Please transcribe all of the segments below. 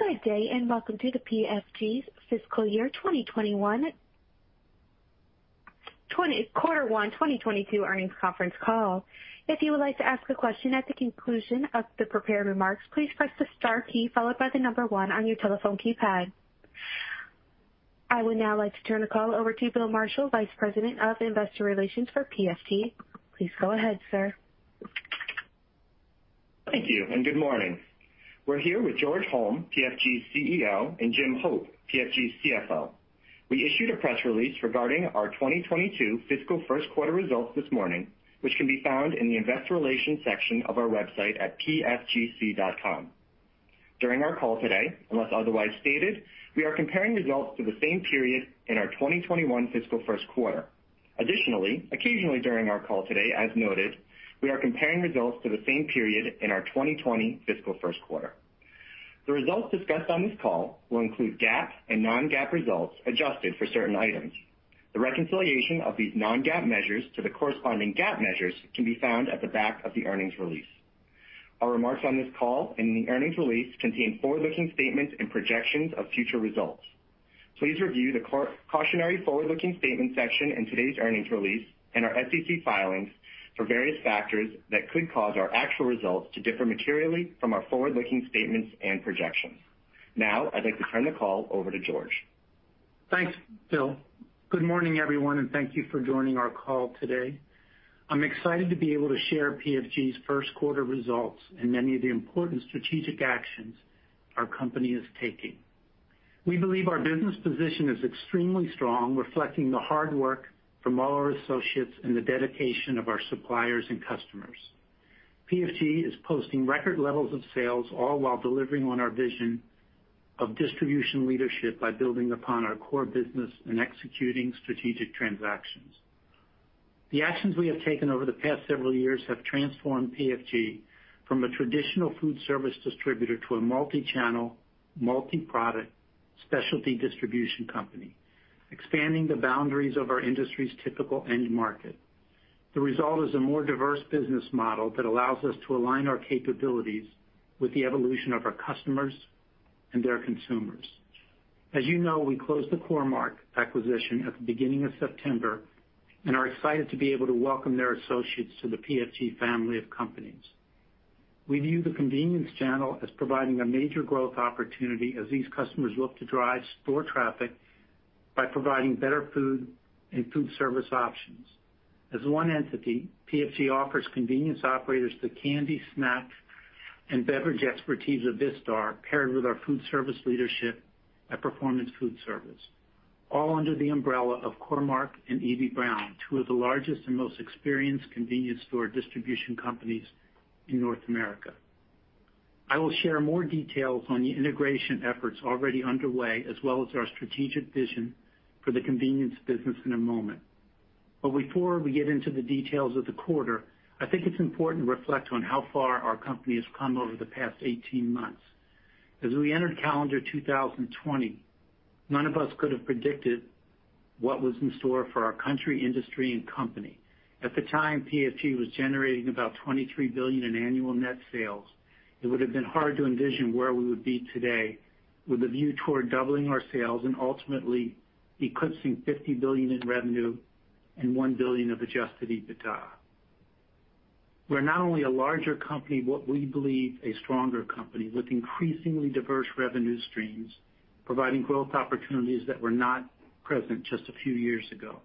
Good day, and welcome to the PFG's fiscal year 2021 Q1 2022 earnings conference call. If you would like to ask a question at the conclusion of the prepared remarks, please press the star key followed by the number 1 on your telephone keypad. I would now like to turn the call over to Bill Marshall, Vice President of Investor Relations for PFG. Please go ahead, sir. Thank you and good morning. We're here with George Holm, PFG's CEO, and Jim Hope, PFG's CFO. We issued a press release regarding our 2022 fiscal first quarter results this morning, which can be found in the investor relations section of our website at pfgc.com. During our call today, unless otherwise stated, we are comparing results to the same period in our 2021 fiscal first quarter. Additionally, occasionally during our call today, as noted, we are comparing results to the same period in our 2020 fiscal first quarter. The results discussed on this call will include GAAP and non-GAAP results adjusted for certain items. The reconciliation of these non-GAAP measures to the corresponding GAAP measures can be found at the back of the earnings release. Our remarks on this call and in the earnings release contain forward-looking statements and projections of future results. Please review the cautionary forward-looking statements section in today's earnings release and our SEC filings for various factors that could cause our actual results to differ materially from our forward-looking statements and projections. Now, I'd like to turn the call over to George. Thanks, Bill. Good morning, everyone, and thank you for joining our call today. I'm excited to be able to share PFG's first quarter results and many of the important strategic actions our company is taking. We believe our business position is extremely strong, reflecting the hard work from all our associates and the dedication of our suppliers and customers. PFG is posting record levels of sales, all while delivering on our vision of distribution leadership by building upon our core business and executing strategic transactions. The actions we have taken over the past several years have transformed PFG from a traditional food service distributor to a multi-channel, multi-product specialty distribution company, expanding the boundaries of our industry's typical end market. The result is a more diverse business model that allows us to align our capabilities with the evolution of our customers and their consumers. As you know, we closed the Core-Mark acquisition at the beginning of September and are excited to be able to welcome their associates to the PFG family of companies. We view the convenience channel as providing a major growth opportunity as these customers look to drive store traffic by providing better food and food service options. As one entity, PFG offers convenience operators the candy, snack, and beverage expertise of Vistar paired with our food service leadership at Performance Foodservice, all under the umbrella of Core-Mark and Eby-Brown, two of the largest and most experienced convenience store distribution companies in North America. I will share more details on the integration efforts already underway, as well as our strategic vision for the convenience business in a moment. before we get into the details of the quarter, I think it's important to reflect on how far our company has come over the past 18 months. As we entered calendar 2020, none of us could have predicted what was in store for our country, industry, and company. At the time, PFG was generating about $23 billion in annual net sales. It would have been hard to envision where we would be today with a view toward doubling our sales and ultimately eclipsing $50 billion in revenue and $1 billion of adjusted EBITDA. We're not only a larger company, but we believe a stronger company with increasingly diverse revenue streams, providing growth opportunities that were not present just a few years ago.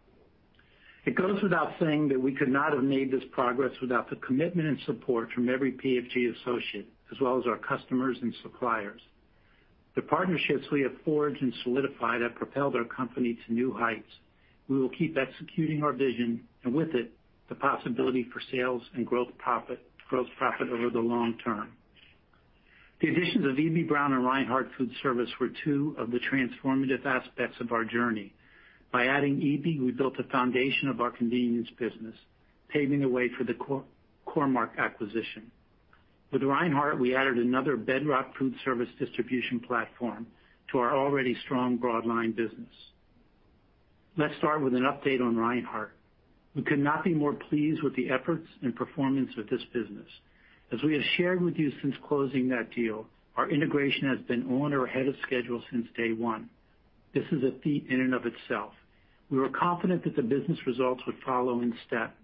It goes without saying that we could not have made this progress without the commitment and support from every PFG associate, as well as our customers and suppliers. The partnerships we have forged and solidified have propelled our company to new heights. We will keep executing our vision and with it, the possibility for sales and profit growth over the long term. The additions of Eby-Brown and Reinhart Foodservice were two of the transformative aspects of our journey. By adding Eby-Brown, we built the foundation of our convenience business, paving the way for the Core-Mark acquisition. With Reinhart, we added another bedrock foodservice distribution platform to our already strong broadline business. Let's start with an update on Reinhart. We could not be more pleased with the efforts and performance of this business. As we have shared with you since closing that deal, our integration has been on or ahead of schedule since day one. This is a feat in and of itself. We were confident that the business results would follow in step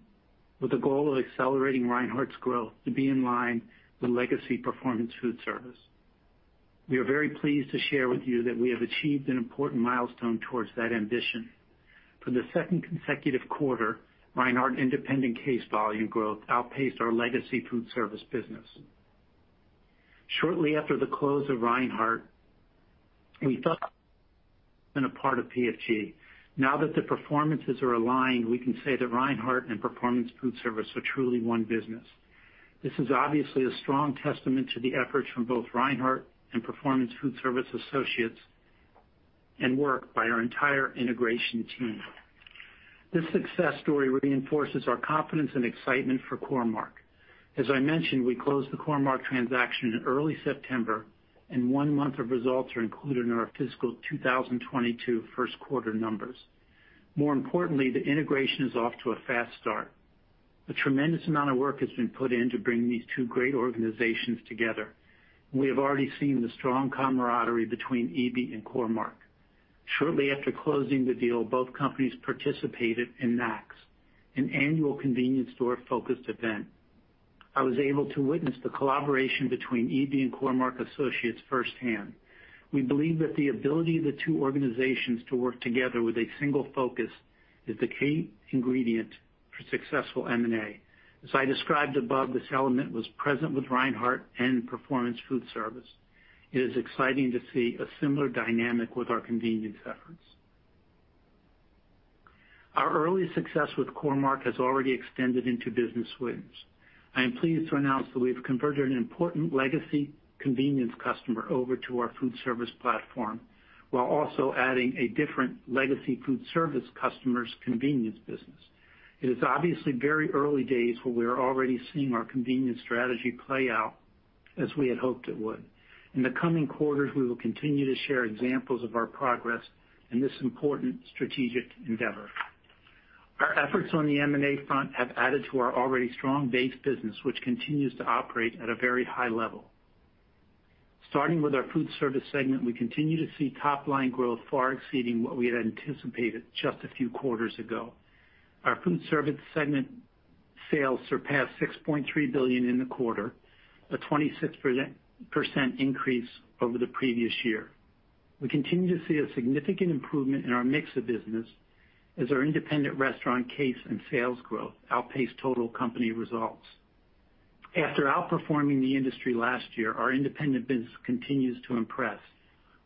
with the goal of accelerating Reinhart's growth to be in line with legacy Performance Foodservice. We are very pleased to share with you that we have achieved an important milestone toward that ambition. For the second consecutive quarter, Reinhart's independent case volume growth outpaced our legacy foodservice business. Shortly after the close of Reinhart, we felt it had been a part of PFG. Now that the performance is aligned, we can say that Reinhart and Performance Foodservice are truly one business. This is obviously a strong testament to the efforts from both Reinhart and Performance Foodservice associates and work by our entire integration team. This success story reinforces our confidence and excitement for Core-Mark. As I mentioned, we closed the Core-Mark transaction in early September, and one month of results are included in our fiscal 2022 first quarter numbers. More importantly, the integration is off to a fast start. A tremendous amount of work has been put in to bring these two great organizations together. We have already seen the strong camaraderie between EB and Core-Mark. Shortly after closing the deal, both companies participated in NACS, an annual convenience store focused event. I was able to witness the collaboration between EB and Core-Mark associates firsthand. We believe that the ability of the two organizations to work together with a single focus is the key ingredient for successful M&A. As I described above, this element was present with Reinhart and Performance Foodservice. It is exciting to see a similar dynamic with our convenience efforts. Our early success with Core-Mark has already extended into business wins. I am pleased to announce that we have converted an important legacy convenience customer over to our Foodservice platform, while also adding a different legacy Foodservice customer's convenience business. It is obviously very early days, but we are already seeing our convenience strategy play out as we had hoped it would. In the coming quarters, we will continue to share examples of our progress in this important strategic endeavor. Our efforts on the M&A front have added to our already strong base business, which continues to operate at a very high level. Starting with our Foodservice segment, we continue to see top line growth far exceeding what we had anticipated just a few quarters ago. Our Foodservice segment sales surpassed $6.3 billion in the quarter, a 26% increase over the previous year. We continue to see a significant improvement in our mix of business as our independent restaurant case and sales growth outpaced total company results. After outperforming the industry last year, our independent business continues to impress.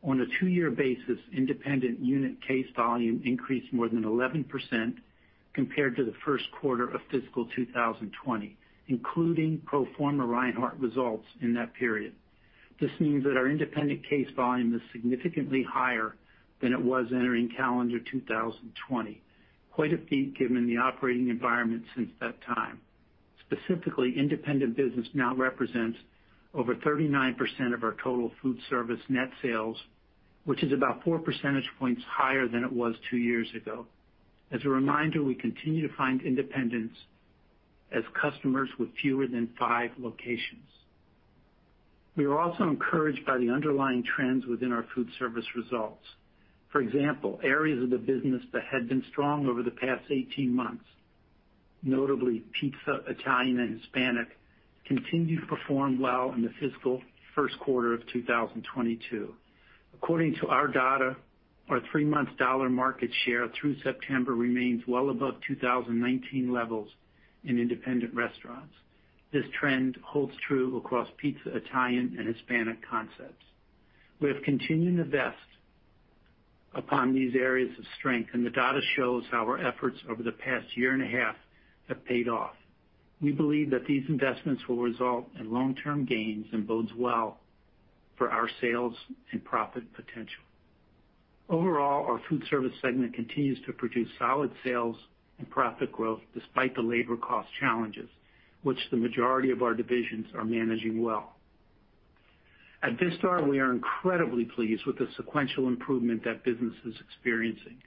On a two-year basis, independent unit case volume increased more than 11% compared to the first quarter of fiscal 2020, including pro forma Reinhart results in that period. This means that our independent case volume is significantly higher than it was entering calendar 2020. Quite a feat given the operating environment since that time. Specifically, independent business now represents over 39% of our total foodservice net sales, which is about four percentage points higher than it was two years ago. As a reminder, we continue to find independents as customers with fewer than five locations. We are also encouraged by the underlying trends within our foodservice results. For example, areas of the business that had been strong over the past 18 months, notably pizza, Italian, and Hispanic, continued to perform well in the fiscal first quarter of 2022. According to our data, our 3-month dollar market share through September remains well above 2019 levels in independent restaurants. This trend holds true across pizza, Italian, and Hispanic concepts. We have continued to invest upon these areas of strength, and the data shows how our efforts over the past year and a half have paid off. We believe that these investments will result in long-term gains and bodes well for our sales and profit potential. Overall, our Foodservice segment continues to produce solid sales and profit growth despite the labor cost challenges, which the majority of our divisions are managing well. At Vistar, we are incredibly pleased with the sequential improvement that business is experiencing.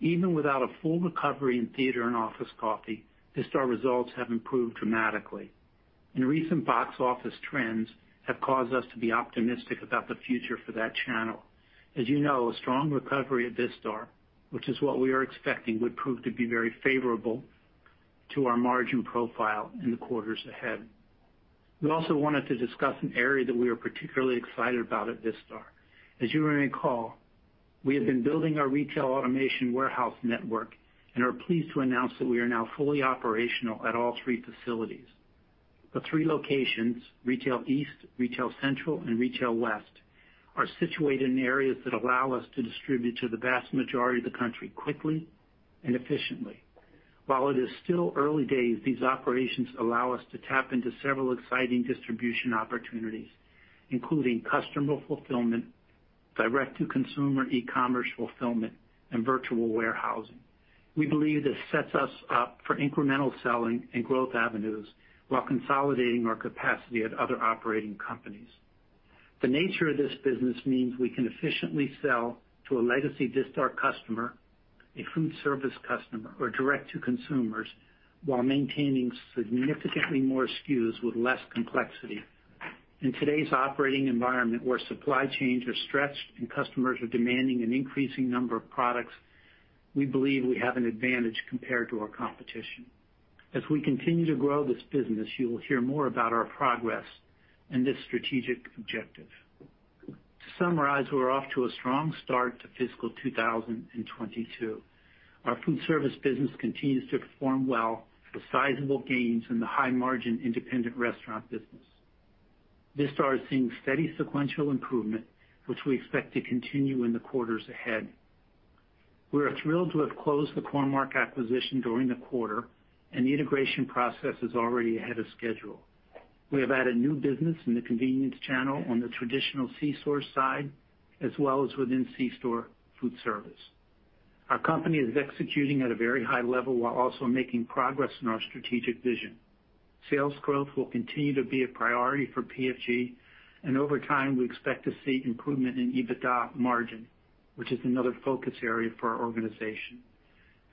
Even without a full recovery in theater and office coffee, Vistar results have improved dramatically, and recent box office trends have caused us to be optimistic about the future for that channel. As you know, a strong recovery at Vistar, which is what we are expecting, would prove to be very favorable to our margin profile in the quarters ahead. We also wanted to discuss an area that we are particularly excited about at Vistar. As you may recall, we have been building our retail automation warehouse network and are pleased to announce that we are now fully operational at all three facilities. The three locations, Retail East, Retail Central, and Retail West, are situated in areas that allow us to distribute to the vast majority of the country quickly and efficiently. While it is still early days, these operations allow us to tap into several exciting distribution opportunities, including customer fulfillment, direct to consumer e-commerce fulfillment, and virtual warehousing. We believe this sets us up for incremental selling and growth avenues while consolidating our capacity at other operating companies. The nature of this business means we can efficiently sell to a legacy Vistar customer, a foodservice customer, or direct to consumers while maintaining significantly more SKUs with less complexity. In today's operating environment, where supply chains are stretched and customers are demanding an increasing number of products, we believe we have an advantage compared to our competition. As we continue to grow this business, you will hear more about our progress and this strategic objective. To summarize, we're off to a strong start to fiscal 2022. Our food service business continues to perform well with sizable gains in the high margin independent restaurant business. Vistar is seeing steady sequential improvement, which we expect to continue in the quarters ahead. We are thrilled to have closed the Core-Mark acquisition during the quarter and the integration process is already ahead of schedule. We have added new business in the convenience channel on the traditional C store side as well as within C store food service. Our company is executing at a very high level while also making progress in our strategic vision. Sales growth will continue to be a priority for PFG, and over time, we expect to see improvement in EBITDA margin, which is another focus area for our organization.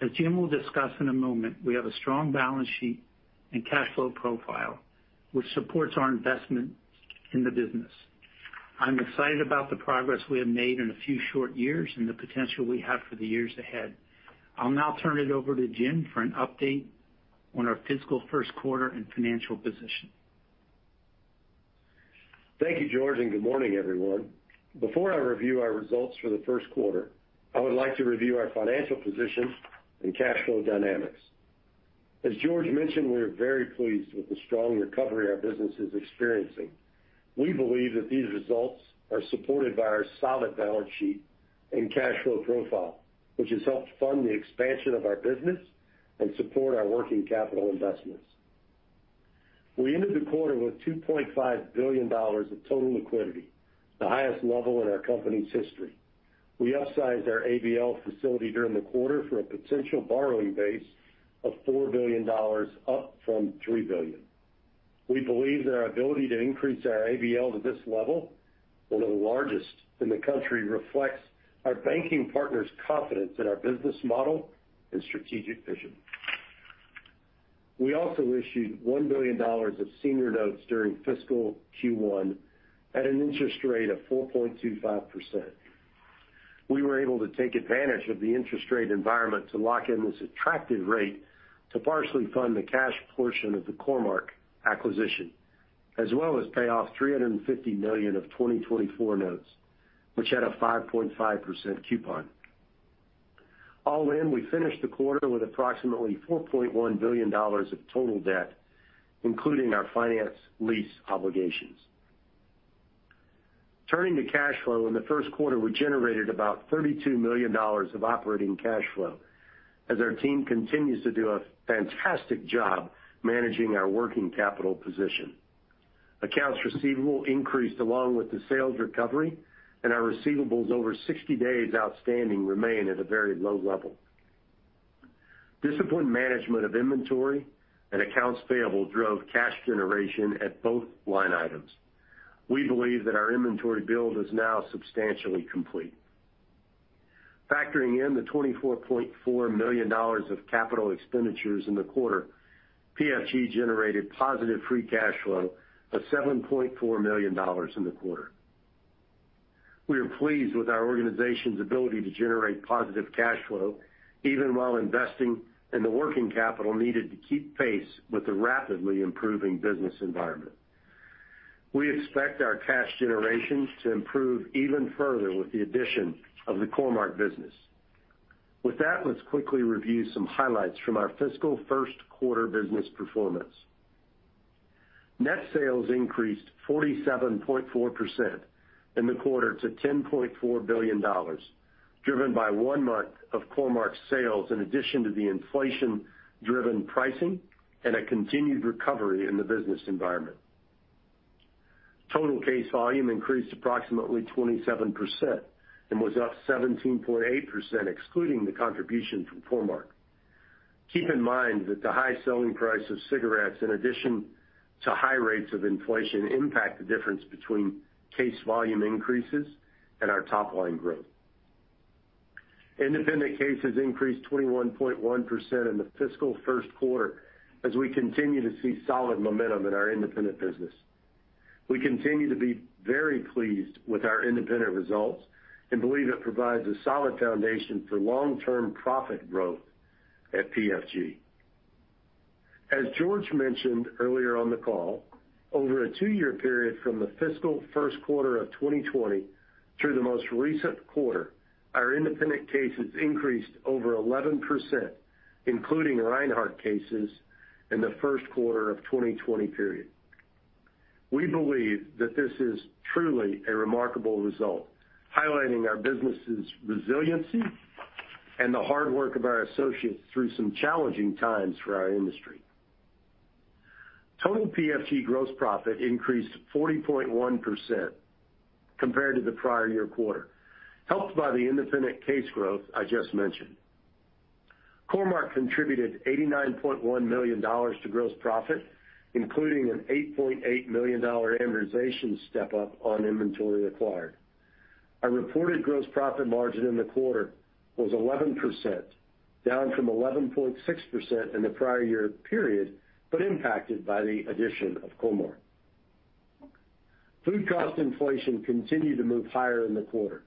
As Jim will discuss in a moment, we have a strong balance sheet and cash flow profile, which supports our investment in the business. I'm excited about the progress we have made in a few short years and the potential we have for the years ahead. I'll now turn it over to Jim for an update on our fiscal first quarter and financial position. Thank you, George, and good morning, everyone. Before I review our results for the first quarter, I would like to review our financial position and cash flow dynamics. As George mentioned, we are very pleased with the strong recovery our business is experiencing. We believe that these results are supported by our solid balance sheet and cash flow profile, which has helped fund the expansion of our business and support our working capital investments. We ended the quarter with $2.5 billion of total liquidity, the highest level in our company's history. We upsized our ABL facility during the quarter for a potential borrowing base of $4 billion, up from $3 billion. We believe that our ability to increase our ABL to this level, one of the largest in the country, reflects our banking partner's confidence in our business model and strategic vision. We also issued $1 billion of senior notes during fiscal Q1 at an interest rate of 4.25%. We were able to take advantage of the interest rate environment to lock in this attractive rate to partially fund the cash portion of the Core-Mark acquisition, as well as pay off $350 million of 2024 notes, which had a 5.5% coupon. All in, we finished the quarter with approximately $4.1 billion of total debt, including our finance lease obligations. Turning to cash flow, in the first quarter, we generated about $32 million of operating cash flow as our team continues to do a fantastic job managing our working capital position. Accounts receivable increased along with the sales recovery, and our receivables over 60 days outstanding remain at a very low level. Disciplined management of inventory and accounts payable drove cash generation at both line items. We believe that our inventory build is now substantially complete. Factoring in the $24.4 million of capital expenditures in the quarter, PFG generated positive free cash flow of $7.4 million in the quarter. We are pleased with our organization's ability to generate positive cash flow, even while investing in the working capital needed to keep pace with the rapidly improving business environment. We expect our cash generation to improve even further with the addition of the Core-Mark business. With that, let's quickly review some highlights from our fiscal first quarter business performance. Net sales increased 47.4% in the quarter to $10.4 billion, driven by one month of Core-Mark's sales in addition to the inflation-driven pricing and a continued recovery in the business environment. Total case volume increased approximately 27% and was up 17.8% excluding the contribution from Core-Mark. Keep in mind that the high selling price of cigarettes in addition to high rates of inflation impact the difference between case volume increases and our top-line growth. Independent cases increased 21.1% in the fiscal first quarter as we continue to see solid momentum in our independent business. We continue to be very pleased with our independent results and believe it provides a solid foundation for long-term profit growth at PFG. As George mentioned earlier on the call, over a 2-year period from the fiscal first quarter of 2020 through the most recent quarter, our independent cases increased over 11%, including Reinhart cases in the first quarter of 2020 period. We believe that this is truly a remarkable result, highlighting our business's resiliency and the hard work of our associates through some challenging times for our industry. Total PFG gross profit increased 40.1% compared to the prior year quarter, helped by the independent case growth I just mentioned. Core-Mark contributed $89.1 million to gross profit, including an $8.8 million amortization step-up on inventory acquired. Our reported gross profit margin in the quarter was 11%, down from 11.6% in the prior year period, but impacted by the addition of Core-Mark. Food cost inflation continued to move higher in the quarter.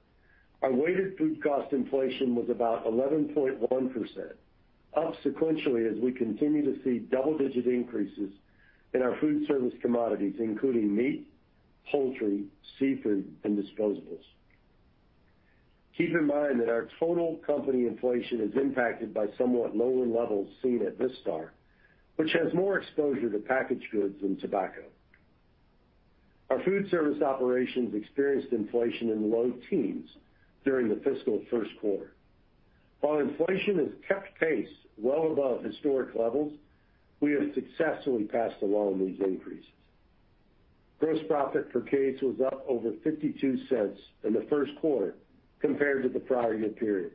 Our weighted food cost inflation was about 11.1%, up sequentially as we continue to see double-digit increases in our food service commodities, including meat, poultry, seafood, and disposables. Keep in mind that our total company inflation is impacted by somewhat lower levels seen at Vistar, which has more exposure to packaged goods than tobacco. Our foodservice operations experienced inflation in the low teens during the fiscal first quarter. While inflation has kept pace well above historic levels, we have successfully passed along these increases. Gross profit per case was up over $0.52 in the first quarter compared to the prior year period.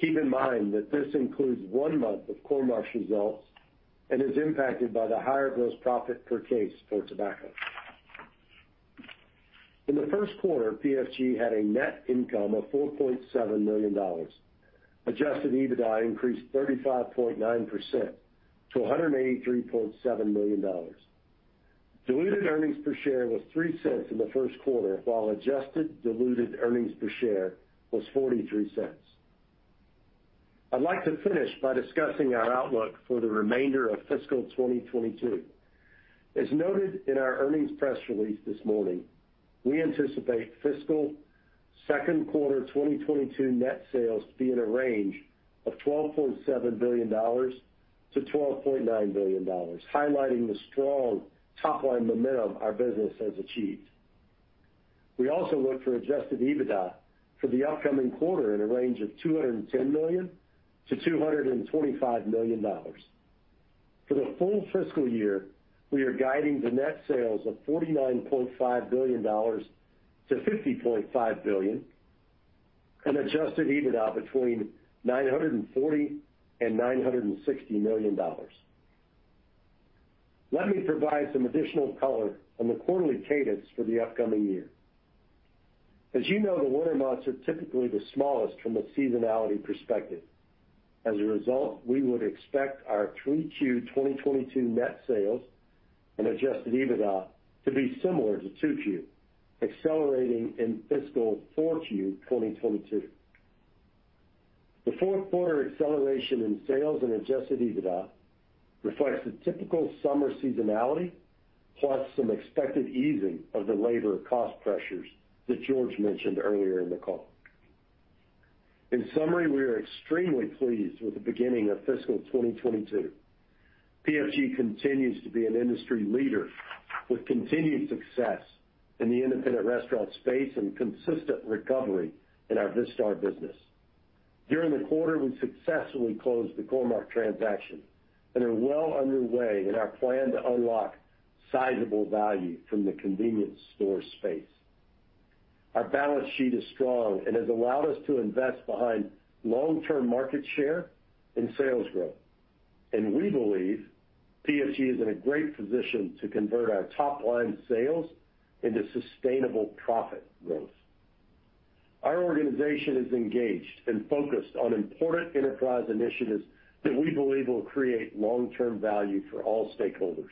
Keep in mind that this includes one month of Core-Mark's results and is impacted by the higher gross profit per case for tobacco. In the first quarter, PFG had a net income of $4.7 million. Adjusted EBITDA increased 35.9% to $183.7 million. Diluted earnings per share was $0.03 in the first quarter, while adjusted diluted earnings per share was $0.43. I'd like to finish by discussing our outlook for the remainder of fiscal 2022. As noted in our earnings press release this morning, we anticipate fiscal second quarter 2022 net sales to be in a range of $12.7 to 12.9 billion, highlighting the strong top line momentum our business has achieved. We also look for adjusted EBITDA for the upcoming quarter in a range of $210 to 225 million. For the full fiscal year, we are guiding the net sales of $49.5 to 50.5 billion and adjusted EBITDA between $940 million and $960 million. Let me provide some additional color on the quarterly cadence for the upcoming year. As you know, the winter months are typically the smallest from a seasonality perspective. As a result, we would expect our 3Q 2022 net sales and adjusted EBITDA to be similar to 2Q, accelerating in fiscal 4Q 2022. The fourth quarter acceleration in sales and adjusted EBITDA reflects the typical summer seasonality, plus some expected easing of the labor cost pressures that George mentioned earlier in the call. In summary, we are extremely pleased with the beginning of fiscal 2022. PFG continues to be an industry leader with continued success in the independent restaurant space and consistent recovery in our Vistar business. During the quarter, we successfully closed the Core-Mark transaction and are well underway in our plan to unlock sizable value from the convenience store space. Our balance sheet is strong and has allowed us to invest behind long-term market share and sales growth. We believe PFG is in a great position to convert our top line sales into sustainable profit growth. Our organization is engaged and focused on important enterprise initiatives that we believe will create long-term value for all stakeholders.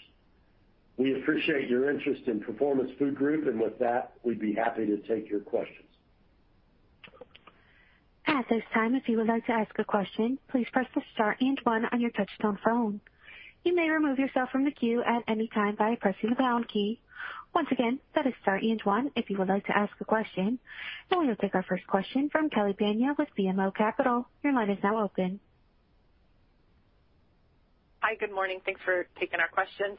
We appreciate your interest in Performance Food Group, and with that, we'd be happy to take your questions. At this time, if you would like to ask a question, please press the star and one on your touchtone phone. You may remove yourself from the queue at any time by pressing the pound key. Once again, that is star and one if you would like to ask a question. We will take our first question from Kelly Bania with BMO Capital. Your line is now open. Hi, good morning. Thanks for taking our questions.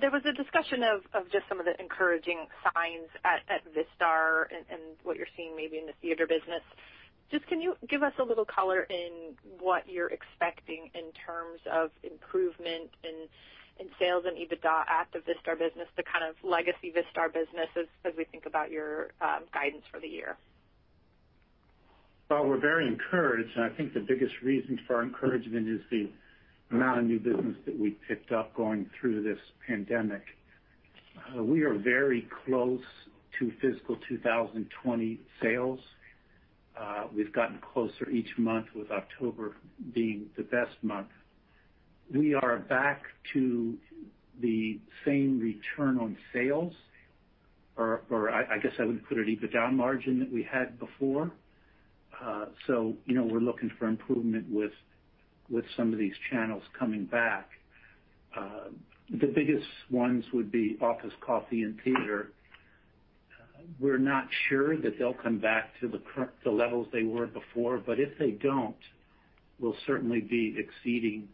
There was a discussion of just some of the encouraging signs at Vistar and what you're seeing maybe in the theater business. Just can you give us a little color in what you're expecting in terms of improvement in sales and EBITDA at the Vistar business, the kind of legacy Vistar business as we think about your guidance for the year? Well, we're very encouraged, and I think the biggest reason for our encouragement is the amount of new business that we picked up going through this pandemic. We are very close to fiscal 2020 sales. We've gotten closer each month, with October being the best month. We are back to the same return on sales, or I guess I would put it EBITDA margin that we had before. You know, we're looking for improvement with some of these channels coming back. The biggest ones would be office coffee and theater. We're not sure that they'll come back to the levels they were before, but if they don't, we'll certainly be exceeding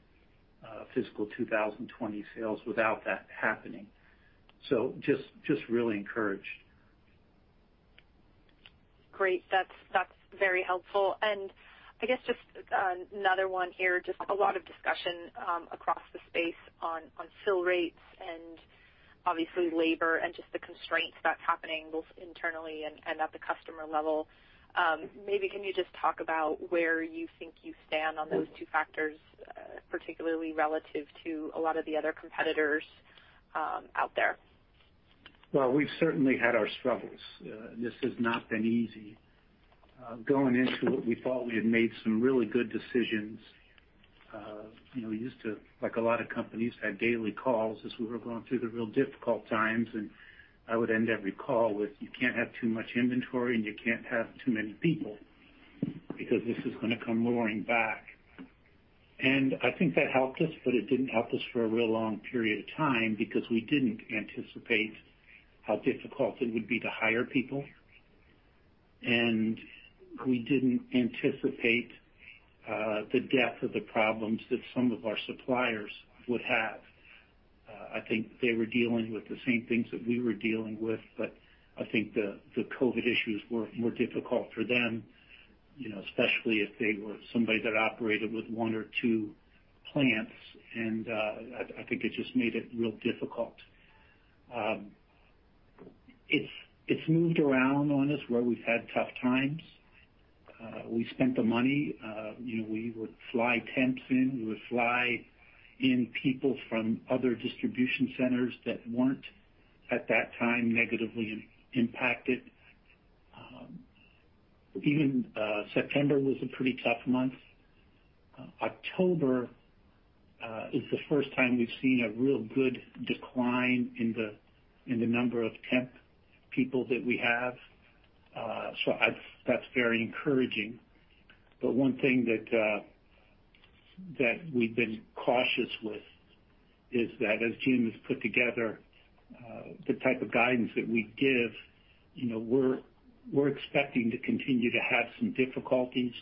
fiscal 2020 sales without that happening. Just really encouraged. Great. That's very helpful. I guess just another one here, just a lot of discussion across the space on fill rates and obviously labor and just the constraints that's happening both internally and at the customer level. Maybe can you just talk about where you think you stand on those two factors, particularly relative to a lot of the other competitors out there? Well, we've certainly had our struggles. This has not been easy. Going into it, we thought we had made some really good decisions. You know, we used to, like a lot of companies, have daily calls as we were going through the real difficult times, and I would end every call with, "You can't have too much inventory, and you can't have too many people because this is gonna come roaring back." I think that helped us, but it didn't help us for a real long period of time because we didn't anticipate how difficult it would be to hire people, and we didn't anticipate the depth of the problems that some of our suppliers would have. I think they were dealing with the same things that we were dealing with, but I think the COVID issues were difficult for them. You know, especially if they were somebody that operated with one or two plants. I think it just made it real difficult. It's moved around on us where we've had tough times. We spent the money. You know, we would fly temps in. We would fly in people from other distribution centers that weren't, at that time, negatively impacted. Even September was a pretty tough month. October is the first time we've seen a real good decline in the number of temp people that we have. That's very encouraging. One thing that we've been cautious with is that as Jim has put together the type of guidance that we give, you know, we're expecting to continue to have some difficulties,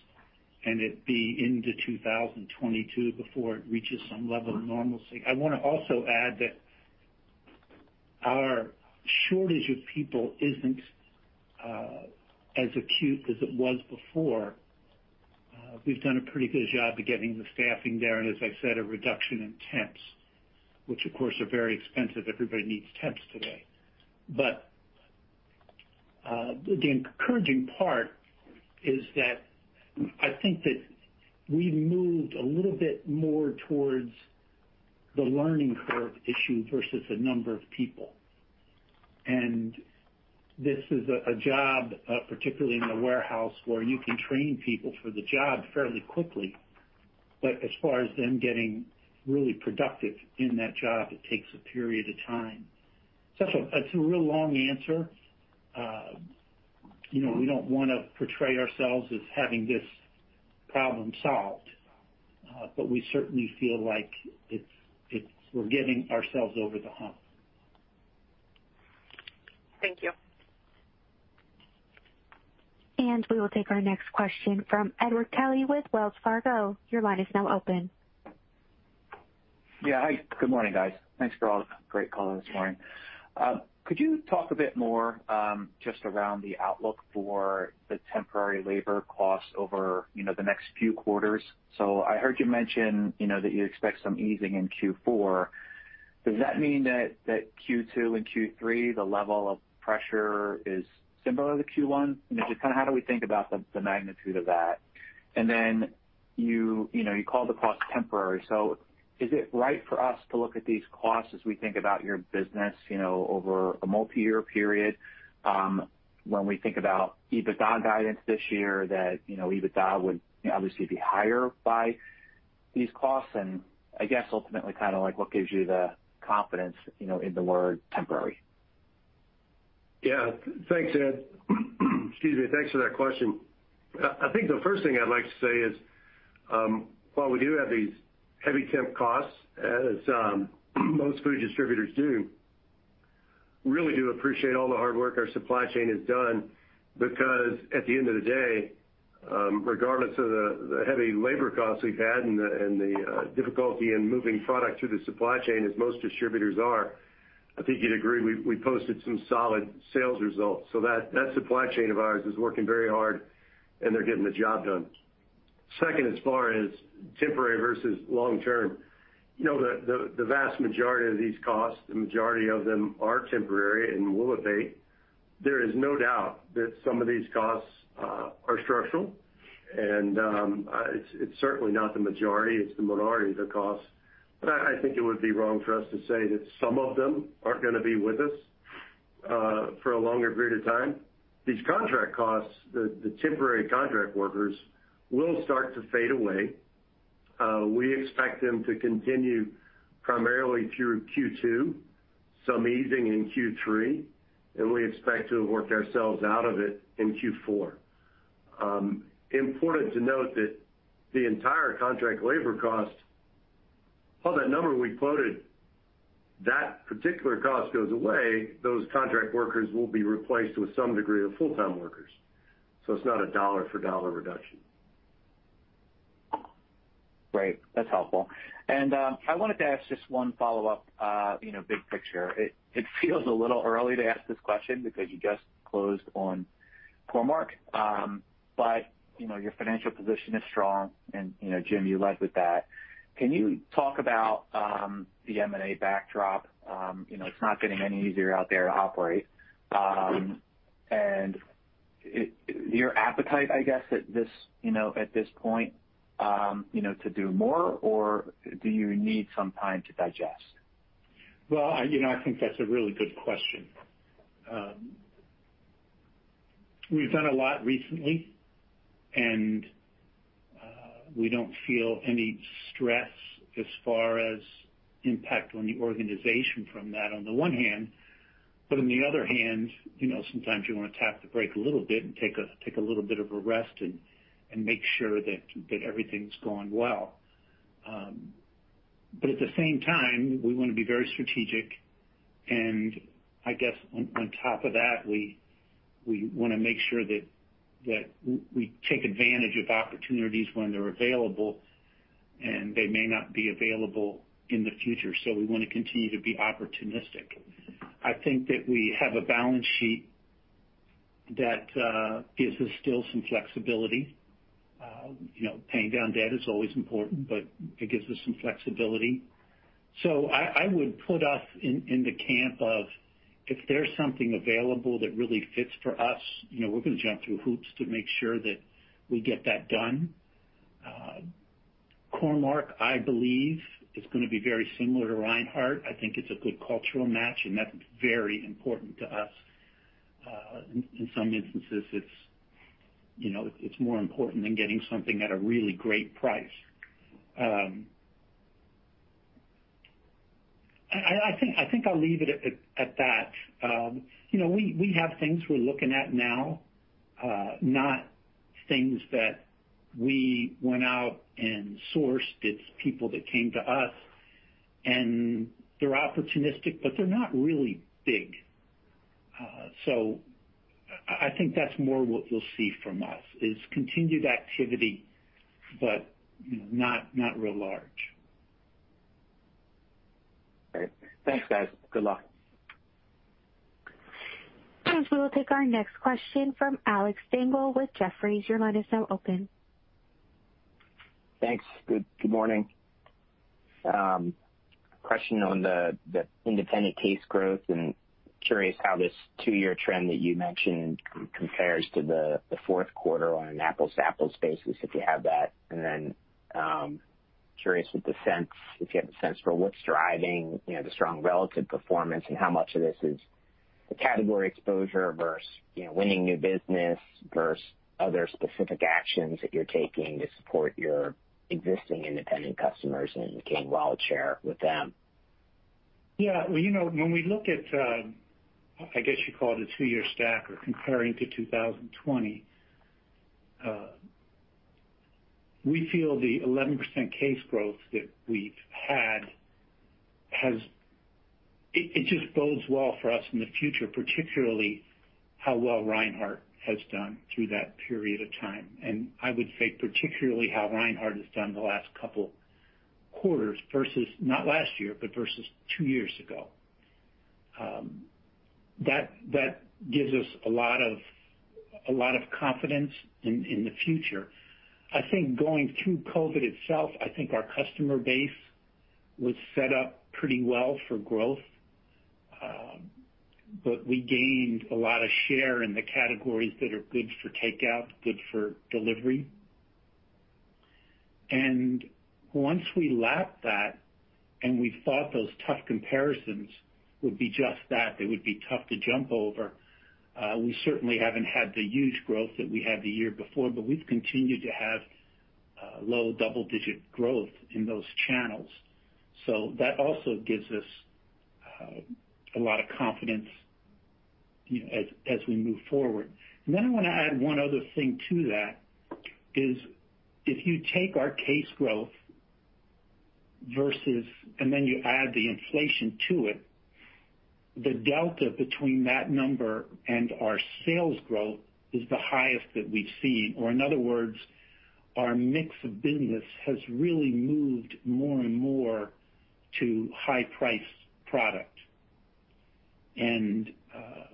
and it be into 2022 before it reaches some level of normalcy. I wanna also add that our shortage of people isn't as acute as it was before. We've done a pretty good job of getting the staffing there, and as I said, a reduction in temps, which of course are very expensive. Everybody needs temps today. The encouraging part is that I think that we've moved a little bit more towards the learning curve issue versus the number of people. This is a job, particularly in the warehouse, where you can train people for the job fairly quickly. As far as them getting really productive in that job, it takes a period of time. It's a real long answer. You know, we don't wanna portray ourselves as having this problem solved, but we certainly feel like it's, we're getting ourselves over the hump. Thank you. We will take our next question from Edward Kelly with Wells Fargo. Your line is now open. Yeah. Hi. Good morning, guys. Thanks for all the great color this morning. Could you talk a bit more just around the outlook for the temporary labor costs over, you know, the next few quarters? I heard you mention, you know, that you expect some easing in Q4. Does that mean that Q2 and Q3, the level of pressure is similar to Q1? You know, just kinda how do we think about the magnitude of that? Then you know, you called the cost temporary. Is it right for us to look at these costs as we think about your business, you know, over a multiyear period, when we think about EBITDA guidance this year, that, you know, EBITDA would, you know, obviously be higher by these costs? I guess ultimately kinda like what gives you the confidence, you know, in the word temporary? Yeah. Thanks, Ed. Excuse me. Thanks for that question. I think the first thing I'd like to say is, while we do have these heavy temp costs, as most food distributors do, really do appreciate all the hard work our supply chain has done because at the end of the day, regardless of the heavy labor costs we've had and the difficulty in moving product through the supply chain as most distributors are, I think you'd agree, we posted some solid sales results. That supply chain of ours is working very hard, and they're getting the job done. Second, as far as temporary versus long term, you know, the vast majority of these costs, the majority of them are temporary and will abate. There is no doubt that some of these costs are structural and it's certainly not the majority, it's the minority of the costs. I think it would be wrong for us to say that some of them aren't gonna be with us for a longer period of time. These contract costs, the temporary contract workers will start to fade away. We expect them to continue primarily through Q2, some easing in Q3, and we expect to have worked ourselves out of it in Q4. Important to note that the entire contract labor cost, while that number we quoted, that particular cost goes away, those contract workers will be replaced with some degree of full-time workers. It's not a dollar for dollar reduction. Great. That's helpful. I wanted to ask just one follow-up, you know, big picture. It feels a little early to ask this question because you just closed on Core-Mark, but you know, your financial position is strong and, you know, Jim, you led with that. Can you talk about the M&A backdrop? You know, it's not getting any easier out there to operate. Your appetite, I guess, at this, you know, at this point, you know, to do more or do you need some time to digest? Well, you know, I think that's a really good question. We've done a lot recently, and we don't feel any stress as far as impact on the organization from that on the one hand, but on the other hand, you know, sometimes you wanna tap the brake a little bit and take a little bit of a rest and make sure that everything's going well. But at the same time, we wanna be very strategic and I guess on top of that, we wanna make sure that we take advantage of opportunities when they're available. They may not be available in the future, so we wanna continue to be opportunistic. I think that we have a balance sheet that gives us still some flexibility. You know, paying down debt is always important, but it gives us some flexibility. I would put us in the camp of if there's something available that really fits for us, you know, we're gonna jump through hoops to make sure that we get that done. Core-Mark, I believe, is gonna be very similar to Reinhart. I think it's a good cultural match, and that's very important to us. In some instances, you know, it's more important than getting something at a really great price. I think I'll leave it at that. You know, we have things we're looking at now, not things that we went out and sourced. It's people that came to us, and they're opportunistic, but they're not really big. I think that's more what you'll see from us is continued activity but, you know, not real large. Great. Thanks, guys. Good luck. We will take our next question from Alexander Slagle with Jefferies. Your line is now open. Thanks. Good morning. Question on the independent case growth and curious how this two-year trend that you mentioned compares to the fourth quarter on an apples-to-apples basis, if you have that. Then, curious if you have a sense for what's driving, you know, the strong relative performance and how much of this is the category exposure versus, you know, winning new business versus other specific actions that you're taking to support your existing independent customers and gain wallet share with them. Yeah. Well, you know, when we look at, I guess you'd call it the two-year stacker comparing to 2020, we feel the 11% case growth that we've had has. It just bodes well for us in the future, particularly how well Reinhart has done through that period of time. I would say particularly how Reinhart has done the last couple quarters versus not last year, but versus two years ago. That gives us a lot of confidence in the future. I think going through COVID itself, I think our customer base was set up pretty well for growth, but we gained a lot of share in the categories that are good for takeout, good for delivery. Once we lapped that, and we thought those tough comparisons would be just that, they would be tough to jump over, we certainly haven't had the huge growth that we had the year before, but we've continued to have low double-digit growth in those channels. That also gives us a lot of confidence, you know, as we move forward. I wanna add one other thing to that is if you take our case growth versus and then you add the inflation to it, the delta between that number and our sales growth is the highest that we've seen. In other words, our mix of business has really moved more and more to high price product.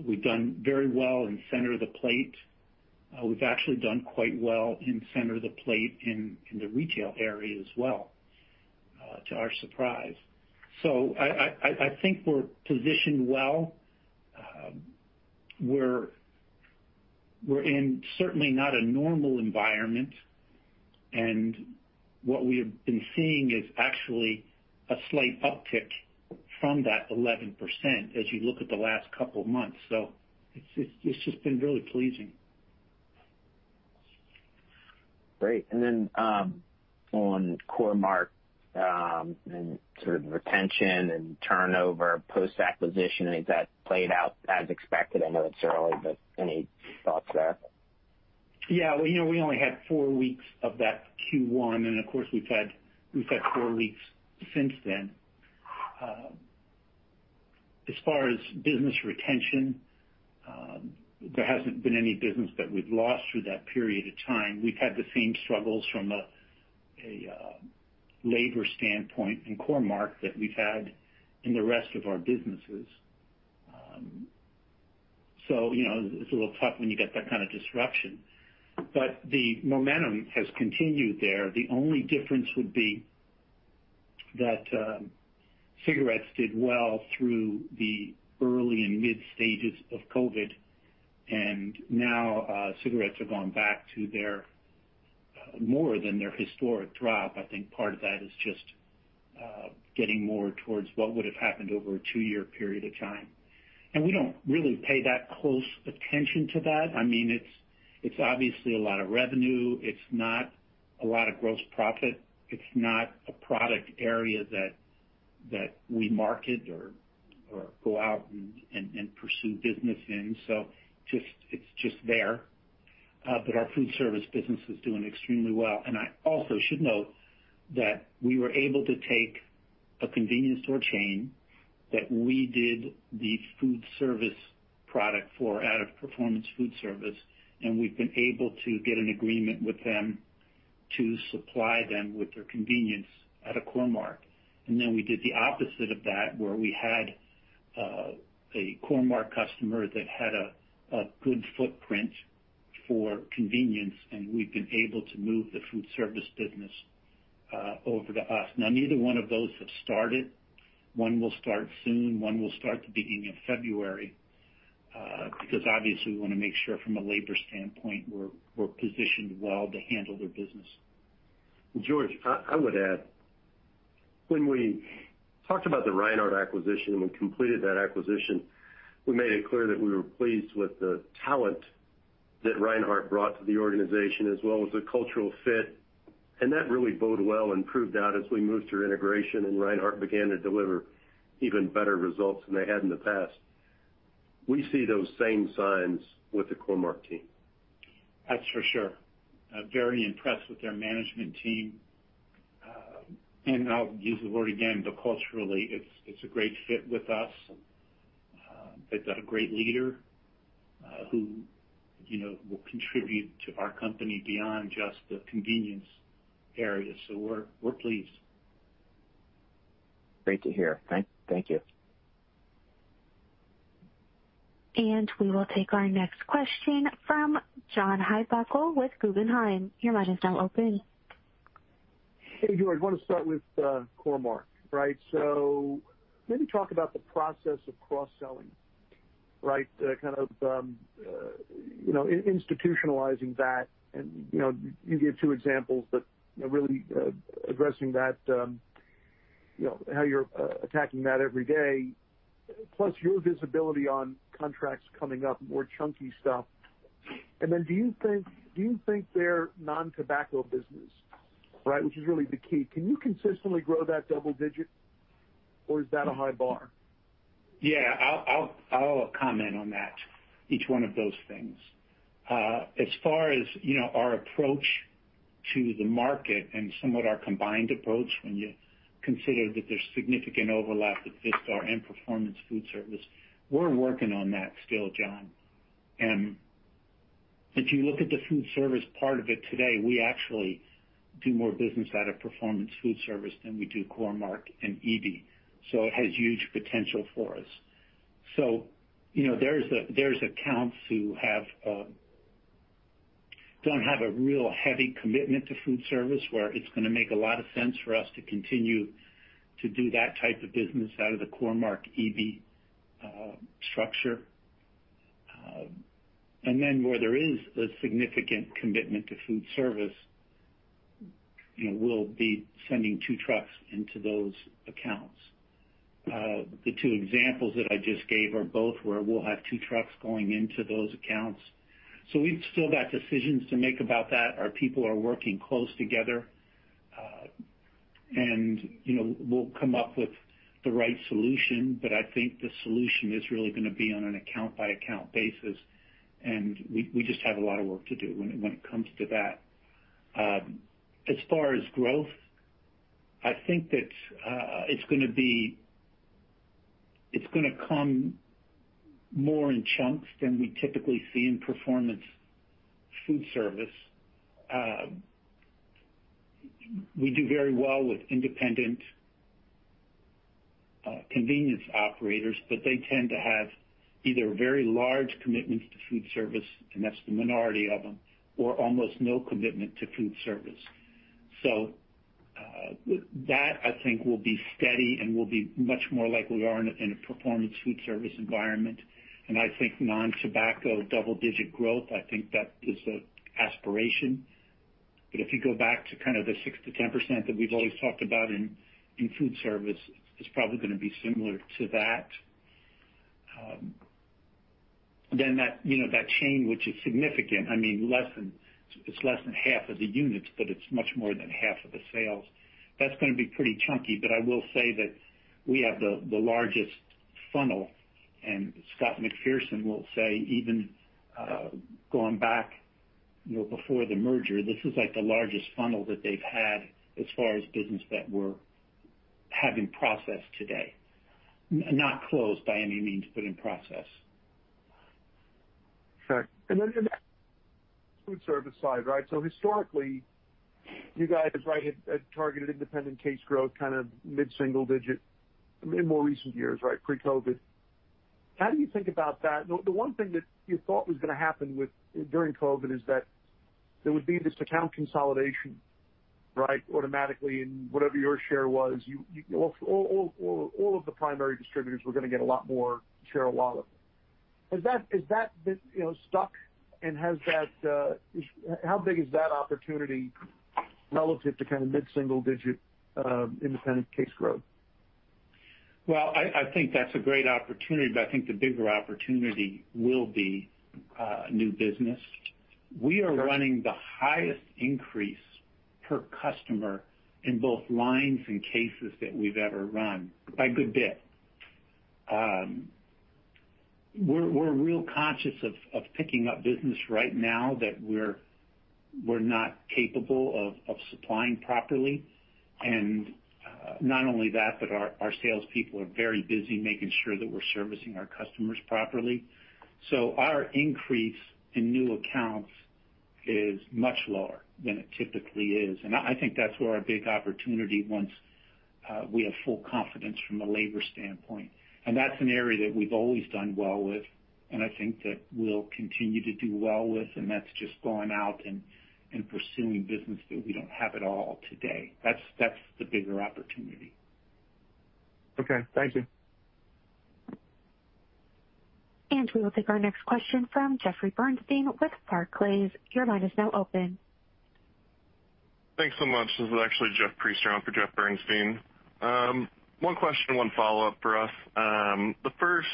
We've done very well in center of the plate. We've actually done quite well in center of the plate in the retail area as well, to our surprise. I think we're positioned well. We're certainly not in a normal environment, and what we have been seeing is actually a slight uptick from that 11% as you look at the last couple of months. It's just been really pleasing. Great. On Core-Mark, and sort of retention and turnover post-acquisition, has that played out as expected? I know it's early, but any thoughts there? Yeah. Well, you know, we only had four weeks of that Q1, and of course, we've had four weeks since then. As far as business retention, there hasn't been any business that we've lost through that period of time. We've had the same struggles from a labor standpoint in Core-Mark that we've had in the rest of our businesses. So, you know, it's a little tough when you get that kind of disruption. But the momentum has continued there. The only difference would be that cigarettes did well through the early and mid stages of COVID, and now cigarettes have gone back to their more than their historic drop. I think part of that is just getting more towards what would have happened over a two-year period of time. We don't really pay that close attention to that. I mean, it's obviously a lot of revenue. It's not a lot of gross profit. It's not a product area that we market or go out and pursue business in. It's just there. Our foodservice business is doing extremely well. I also should note that we were able to take a convenience store chain that we did the foodservice product for out of Performance Foodservice, and we've been able to get an agreement with them to supply them with their convenience at a Core-Mark. We did the opposite of that, where we had a Core-Mark customer that had a good footprint for convenience, and we've been able to move the foodservice business over to us. Now, neither one of those have started. One will start soon, one will start the beginning of February, because obviously we wanna make sure from a labor standpoint, we're positioned well to handle their business. George, I would add, when we talked about the Reinhart acquisition, when we completed that acquisition, we made it clear that we were pleased with the talent that Reinhart brought to the organization as well as the cultural fit, and that really bode well and proved out as we moved through integration and Reinhart began to deliver even better results than they had in the past. We see those same signs with the Core-Mark team. That's for sure. I'm very impressed with their management team. I'll use the word again, but culturally it's a great fit with us. They've got a great leader, who you know will contribute to our company beyond just the convenience area. We're pleased. Great to hear. Thank you. We will take our next question from John Heinbockel with Guggenheim. Your line is now open. Hey, George. I wanna start with Core-Mark, right? Maybe talk about the process of cross-selling, right? Kind of, you know, institutionalizing that and, you know, you give two examples, but, you know, really, addressing that, you know, how you're attacking that every day, plus your visibility on contracts coming up, more chunky stuff. Then do you think their non-tobacco business, right, which is really the key, can you consistently grow that double digit, or is that a high bar? Yeah. I'll comment on that, each one of those things. As far as, you know, our approach to the market and somewhat our combined approach when you consider that there's significant overlap with Vistar and Performance Foodservice, we're working on that still, John. If you look at the foodservice part of it today, we actually do more business out of Performance Foodservice than we do Core-Mark and Eby-Brown. It has huge potential for us. You know, there's accounts who don't have a real heavy commitment to foodservice, where it's gonna make a lot of sense for us to continue to do that type of business out of the Core-Mark Eby-Brown structure. And then where there is a significant commitment to foodservice, you know, we'll be sending two trucks into those accounts. The two examples that I just gave are both where we'll have two trucks going into those accounts. We've still got decisions to make about that. Our people are working close together, and, you know, we'll come up with the right solution. I think the solution is really gonna be on an account by account basis, and we just have a lot of work to do when it comes to that. As far as growth, I think that it's gonna come more in chunks than we typically see in Performance Foodservice. We do very well with independent convenience operators, but they tend to have either very large commitments to foodservice, and that's the minority of them, or almost no commitment to foodservice. That I think will be steady and will be much more like we are in a Performance Foodservice environment. I think non-tobacco double-digit growth, I think that is an aspiration. If you go back to kind of the 6% to 10% that we've always talked about in foodservice, it's probably gonna be similar to that. Then that, you know, that chain, which is significant, I mean, less than, it's less than half of the units, but it's much more than half of the sales. That's gonna be pretty chunky, but I will say that we have the largest funnel, and Scott McPherson will say, even going back, you know, before the merger, this is like the largest funnel that they've had as far as business that we're having processed today. Not closed by any means, but in process. Sure. In that food service side, right, so historically, you guys, right, had targeted independent case growth, kind of mid-single digit in more recent years, right? Pre-COVID. How do you think about that? The one thing that you thought was gonna happen during COVID is that there would be this account consolidation, right? Automatically, and whatever your share was, all of the primary distributors were gonna get a lot more share of wallet. Has that been, you know, stuck? How big is that opportunity relative to kind of mid-single digit independent case growth? Well, I think that's a great opportunity, but I think the bigger opportunity will be new business. We are running the highest increase per customer in both lines and cases that we've ever run by a good bit. We're real conscious of picking up business right now that we're not capable of supplying properly. Not only that, but our sales people are very busy making sure that we're servicing our customers properly. Our increase in new accounts is much lower than it typically is. I think that's where our big opportunity once we have full confidence from a labor standpoint, and that's an area that we've always done well with, and I think that we'll continue to do well with, and that's just going out and pursuing business that we don't have at all today. That's the bigger opportunity. Okay. Thank you. We will take our next question from Jeffrey Bernstein with Barclays. Your line is now open. Thanks so much. This is actually Jeff Priester in for Jeffrey Bernstein. One question, one follow-up for us. The first,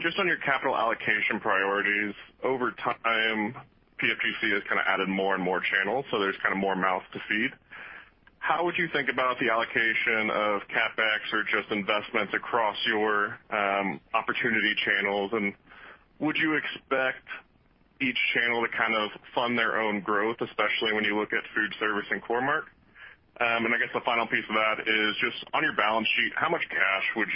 just on your capital allocation priorities. Over time, PFG has kinda added more and more channels, so there's kinda more mouths to feed. How would you think about the allocation of CapEx or just investments across your opportunity channels? Would you expect each channel to kind of fund their own growth, especially when you look at food service and Core-Mark? I guess the final piece of that is just on your balance sheet, how much cash would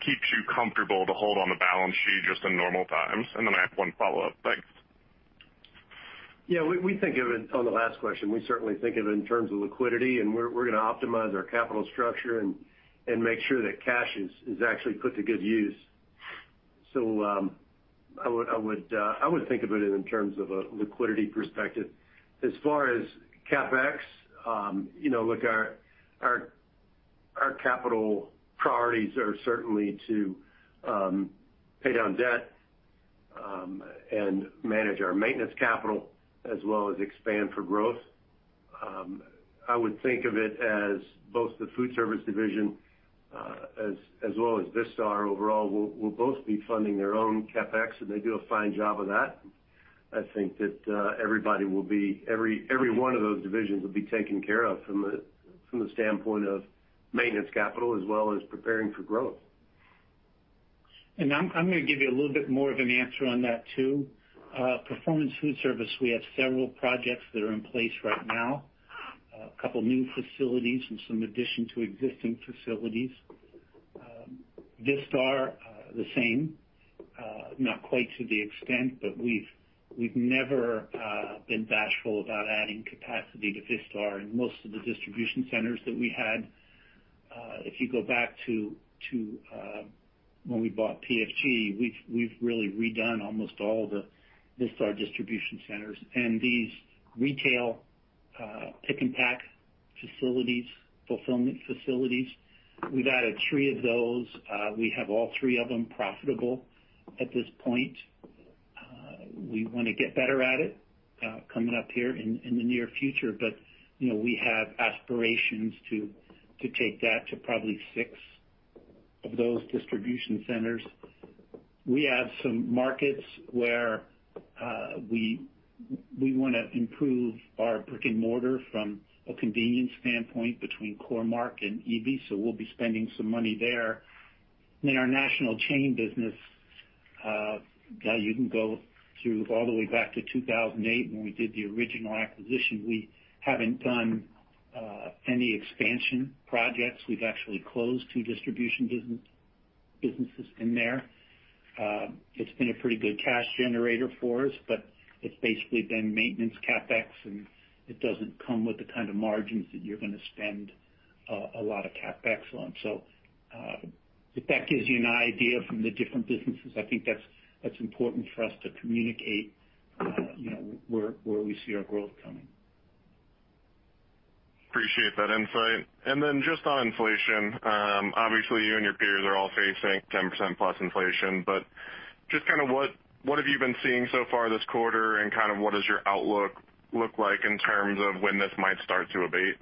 keep you comfortable to hold on the balance sheet just in normal times? I have one follow-up. Thanks. Yeah, we think of it. On the last question, we certainly think of it in terms of liquidity, and we're gonna optimize our capital structure and make sure that cash is actually put to good use. I would think about it in terms of a liquidity perspective. As far as CapEx, you know, look, our capital priorities are certainly to pay down debt and manage our maintenance capital as well as expand for growth. I would think of it as both the foodservice division as well as Vistar overall will both be funding their own CapEx, and they do a fine job of that. I think that every one of those divisions will be taken care of from the standpoint of maintenance capital as well as preparing for growth. I'm gonna give you a little bit more of an answer on that too. Performance Foodservice, we have several projects that are in place right now, a couple new facilities and some addition to existing facilities. Vistar, the same, not quite to the extent, but we've never been bashful about adding capacity to Vistar. In most of the distribution centers that we had, if you go back to when we bought PFG, we've really redone almost all the Vistar distribution centers. These retail pick and pack facilities, fulfillment facilities, we've added three of those. We have all three of them profitable at this point. We wanna get better at it, coming up here in the near future. You know, we have aspirations to take that to probably six of those distribution centers. We have some markets where we wanna improve our brick-and-mortar from a convenience standpoint between Core-Mark and Eby-Brown, so we'll be spending some money there. In our national chain business, yeah, you can go through all the way back to 2008 when we did the original acquisition. We haven't done any expansion projects. We've actually closed two distribution businesses in there. It's been a pretty good cash generator for us, but it's basically been maintenance CapEx, and it doesn't come with the kind of margins that you're gonna spend a lot of CapEx on. If that gives you an idea from the different businesses, I think that's important for us to communicate, you know, where we see our growth coming. Appreciate that insight. Just on inflation, obviously, you and your peers are all facing 10%+ inflation, but just kinda what have you been seeing so far this quarter and kind of what does your outlook look like in terms of when this might start to abate?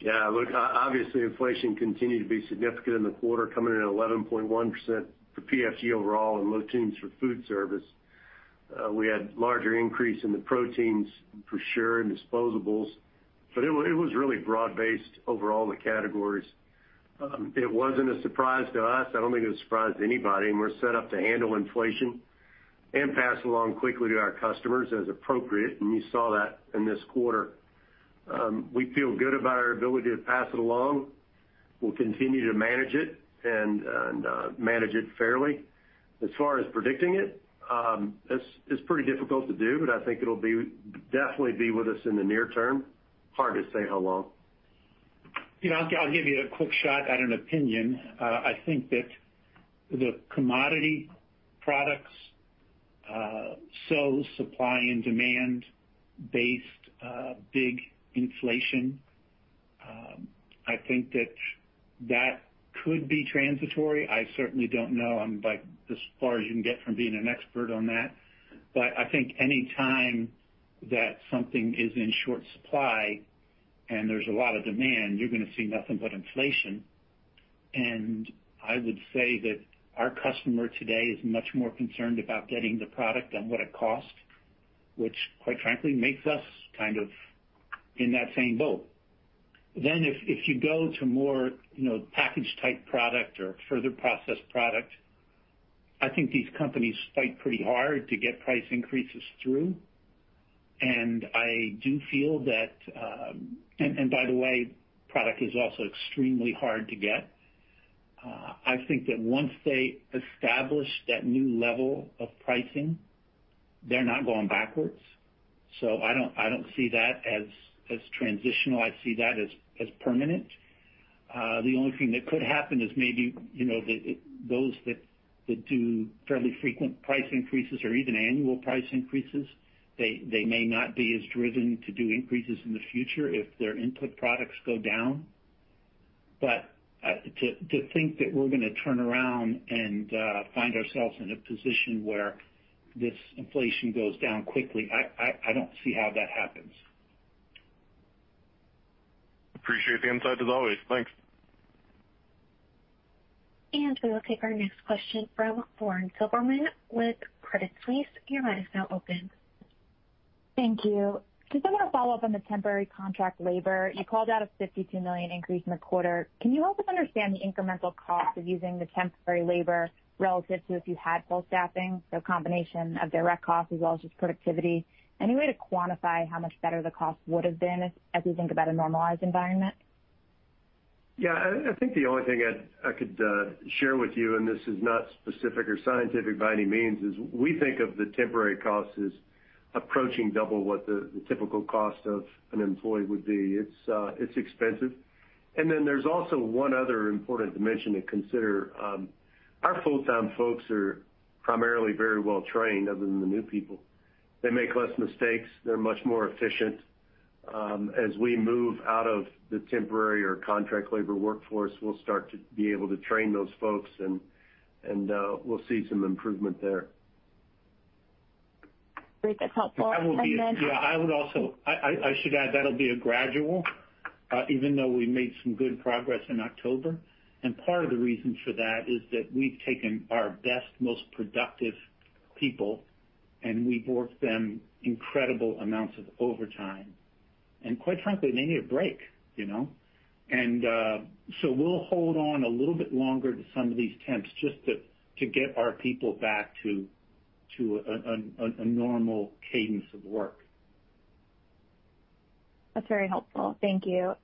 Yeah. Look, obviously, inflation continued to be significant in the quarter, coming in at 11.1% for PFG overall and low teens% for Foodservice. We had larger increase in the proteins for sure, and disposables, but it was really broad-based over all the categories. It wasn't a surprise to us. I don't think it was a surprise to anybody, and we're set up to handle inflation and pass along quickly to our customers as appropriate, and you saw that in this quarter. We feel good about our ability to pass it along. We'll continue to manage it and manage it fairly. As far as predicting it's pretty difficult to do, but I think it'll definitely be with us in the near term. Hard to say how long. You know, I'll give you a quick shot at an opinion. I think that the commodity products are subject to supply and demand-based big inflation. I think that could be transitory. I certainly don't know. I'm like as far as you can get from being an expert on that. I think any time that something is in short supply and there's a lot of demand, you're gonna see nothing but inflation. I would say that our customer today is much more concerned about getting the product than what it costs, which quite frankly makes us kind of in that same boat. If you go to more packaged type product or further processed product, I think these companies fight pretty hard to get price increases through. I do feel that, by the way, product is also extremely hard to get. I think that once they establish that new level of pricing, they're not going backwards. I don't see that as transitional. I see that as permanent. The only thing that could happen is maybe, you know, those that do fairly frequent price increases or even annual price increases, they may not be as driven to do increases in the future if their input products go down. To think that we're gonna turn around and find ourselves in a position where this inflation goes down quickly, I don't see how that happens. Appreciate the insight as always. Thanks. We will take our next question from Lauren Silberman with Credit Suisse. Your line is now open. Thank you. Just wanna follow up on the temporary contract labor. You called out a $52 million increase in the quarter. Can you help us understand the incremental cost of using the temporary labor relative to if you had full staffing, so combination of direct costs as well as just productivity? Any way to quantify how much better the cost would have been as we think about a normalized environment? Yeah, I think the only thing I could share with you, and this is not specific or scientific by any means, is we think of the temporary cost as approaching double what the typical cost of an employee would be. It's expensive. Then there's also one other important dimension to consider. Our full-time folks are primarily very well trained other than the new people. They make less mistakes. They're much more efficient. As we move out of the temporary or contract labor workforce, we'll start to be able to train those folks and we'll see some improvement there. Great. That's helpful. I should add, that'll be a gradual, even though we made some good progress in October. Part of the reason for that is that we've taken our best, most productive people, and we've worked them incredible amounts of overtime. Quite frankly, they need a break, you know. We'll hold on a little bit longer to some of these temps just to get our people back to a normal cadence of work. That's very helpful. Thank you.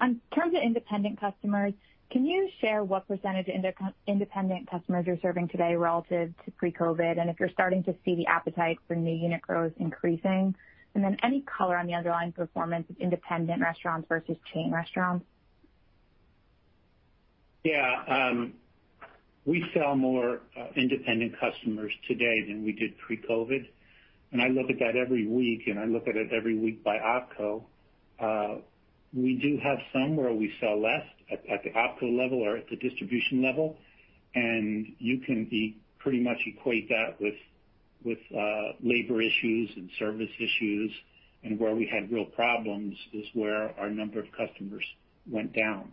In terms of independent customers, can you share what percentage of independent customers you're serving today relative to pre-COVID? And if you're starting to see the appetite for new unit growth increasing? And then any color on the underlying performance of independent restaurants versus chain restaurants? Yeah. We sell more independent customers today than we did pre-COVID. I look at that every week, and I look at it every week by opco. We do have some where we sell less at the opco level or at the distribution level, and you can pretty much equate that with labor issues and service issues. Where we had real problems is where our number of customers went down.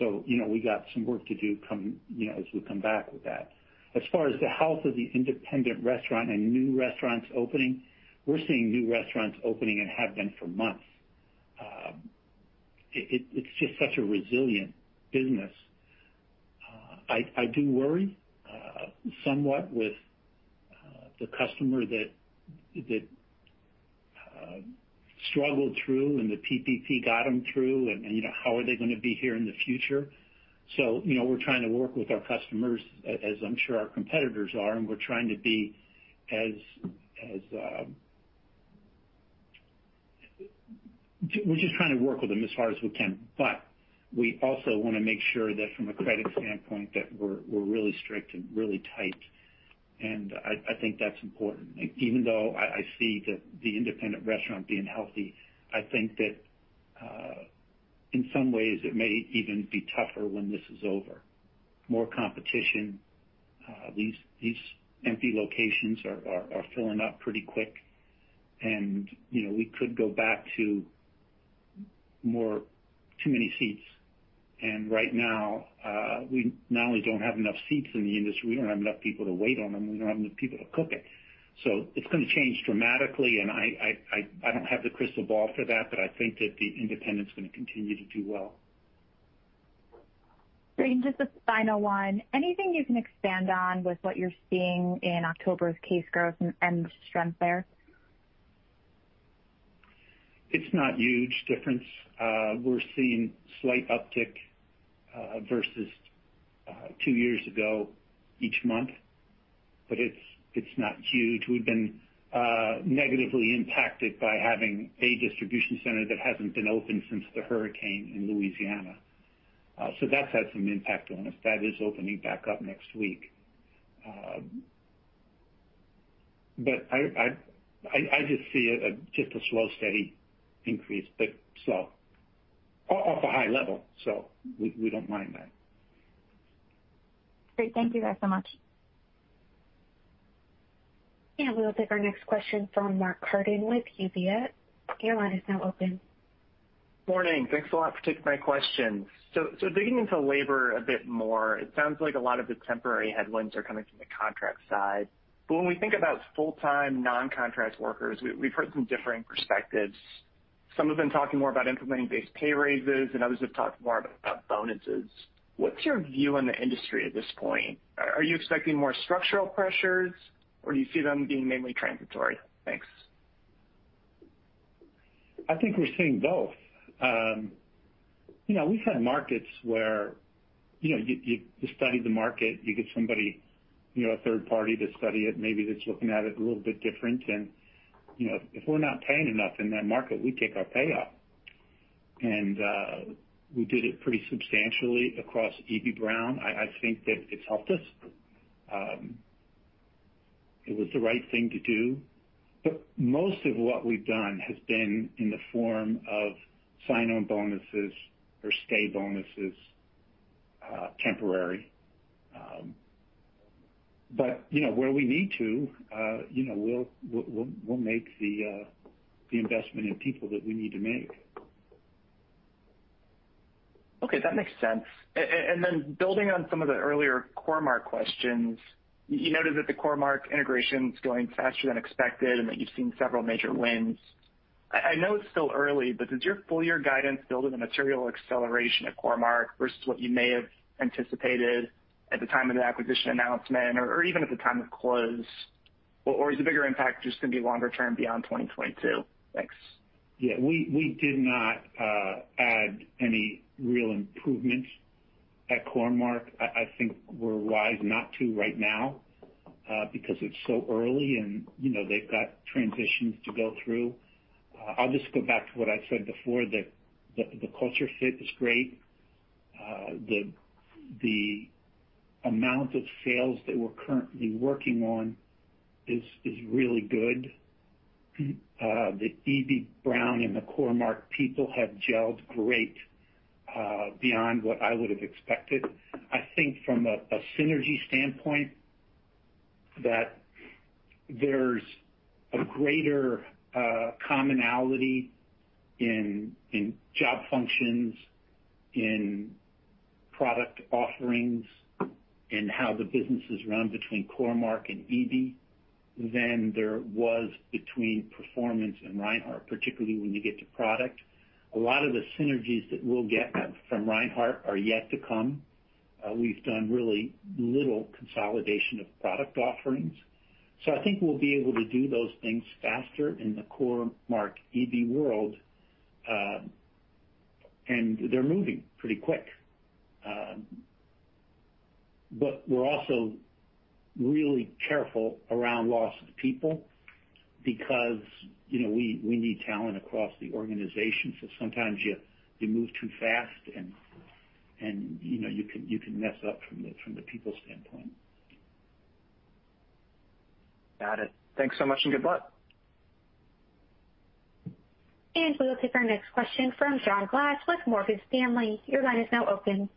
You know, we got some work to do come, you know, as we come back with that. As far as the health of the independent restaurant and new restaurants opening, we're seeing new restaurants opening and have been for months. It's just such a resilient business. I do worry somewhat with the customer that struggled through and the PPP got them through and you know how are they gonna be here in the future. You know, we're trying to work with our customers, as I'm sure our competitors are, and we're just trying to work with them as hard as we can. We also wanna make sure that from a credit standpoint, that we're really strict and really tight. I think that's important. Even though I see the independent restaurant being healthy, I think that in some ways, it may even be tougher when this is over. More competition. These empty locations are filling up pretty quick. You know, we could go back to more too many seats. Right now, we not only don't have enough seats in the industry, we don't have enough people to wait on them, we don't have enough people to cook it. It's gonna change dramatically, and I don't have the crystal ball for that, but I think that the independent's gonna continue to do well. Great. Just a final one. Anything you can expand on with what you're seeing in October's case growth and strength there? It's not a huge difference. We're seeing a slight uptick versus two years ago each month, but it's not huge. We've been negatively impacted by having a distribution center that hasn't been open since the hurricane in Louisiana. That's had some impact on us. That is opening back up next week. I just see a slow, steady increase, but slow. Off a high level, so we don't mind that. Great. Thank you guys so much. We will take our next question from Mark Carden with UBS. Your line is now open. Morning. Thanks a lot for taking my questions. Digging into labor a bit more, it sounds like a lot of the temporary headwinds are coming from the contract side. When we think about full-time non-contract workers, we've heard some differing perspectives. Some have been talking more about implementing base pay raises, and others have talked more about bonuses. What's your view on the industry at this point? Are you expecting more structural pressures, or do you see them being mainly transitory? Thanks. I think we're seeing both. You know, we've had markets where you study the market, you get somebody, you know, a third party to study it, maybe that's looking at it a little bit different. You know, if we're not paying enough in that market, we kick our pay up. We did it pretty substantially across Eby-Brown. I think that it's helped us. It was the right thing to do. Most of what we've done has been in the form of sign-on bonuses or stay bonuses, temporary. You know, where we need to, you know, we'll make the investment in people that we need to make. Okay, that makes sense. Building on some of the earlier Core-Mark questions, you noted that the Core-Mark integration is going faster than expected and that you've seen several major wins. I know it's still early, but does your full year guidance build in a material acceleration at Core-Mark versus what you may have anticipated at the time of the acquisition announcement or even at the time of close? Or is the bigger impact just gonna be longer term beyond 2022? Thanks. Yeah. We did not add any real improvements at Core-Mark. I think we're wise not to right now because it's so early and, you know, they've got transitions to go through. I'll just go back to what I said before, that the culture fit is great. The amount of sales that we're currently working on is really good. The Eby-Brown and the Core-Mark people have gelled great beyond what I would have expected. I think from a synergy standpoint, that there's a greater commonality in job functions, in product offerings, in how the business is run between Core-Mark and Eby-Brown than there was between Performance and Reinhart, particularly when you get to product. A lot of the synergies that we'll get from Reinhart are yet to come. We've done really little consolidation of product offerings. I think we'll be able to do those things faster in the Core-Mark Eby-Brown world, and they're moving pretty quick. But we're also really careful around loss of people because, you know, we need talent across the organization. Sometimes you move too fast and you know, you can mess up from the people standpoint. Got it. Thanks so much, and good luck. We will take our next question from John Glass with Morgan Stanley. Your line is now open.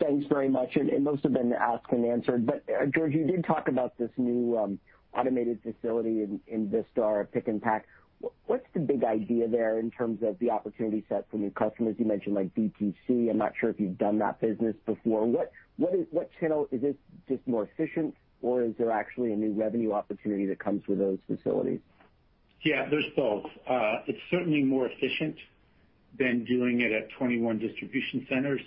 Thanks very much. It must have been asked and answered, but George, you did talk about this new automated facility in Vistar, pick and pack. What's the big idea there in terms of the opportunity set for new customers? You mentioned like DTC. I'm not sure if you've done that business before. What channel is it just more efficient or is there actually a new revenue opportunity that comes with those facilities? Yeah, there's both. It's certainly more efficient than doing it at 21 distribution centers.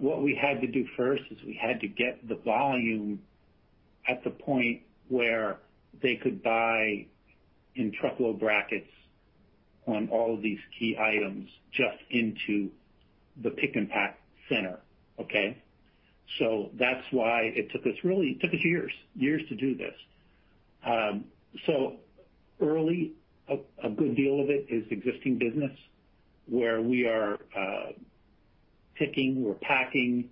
What we had to do first is we had to get the volume at the point where they could buy in truckload brackets on all of these key items just into the pick and pack center. Okay? That's why it took us really, it took us years to do this. Early, good deal of it is existing business where we are picking, we're packing,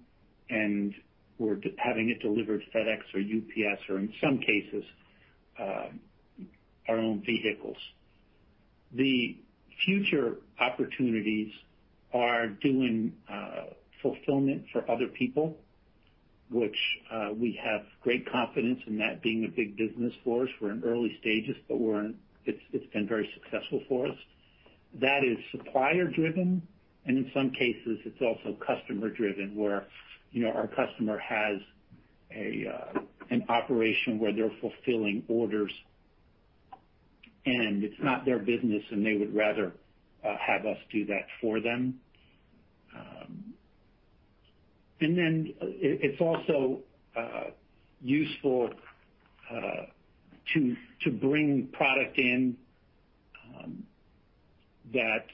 and we're having it delivered FedEx or UPS or in some cases, our own vehicles. The future opportunities are doing fulfillment for other people, which we have great confidence in that being a big business for us. We're in early stages, but it's been very successful for us. That is supplier driven, and in some cases, it's also customer driven, where, you know, our customer has an operation where they're fulfilling orders and it's not their business and they would rather have us do that for them. It is also useful to bring product in that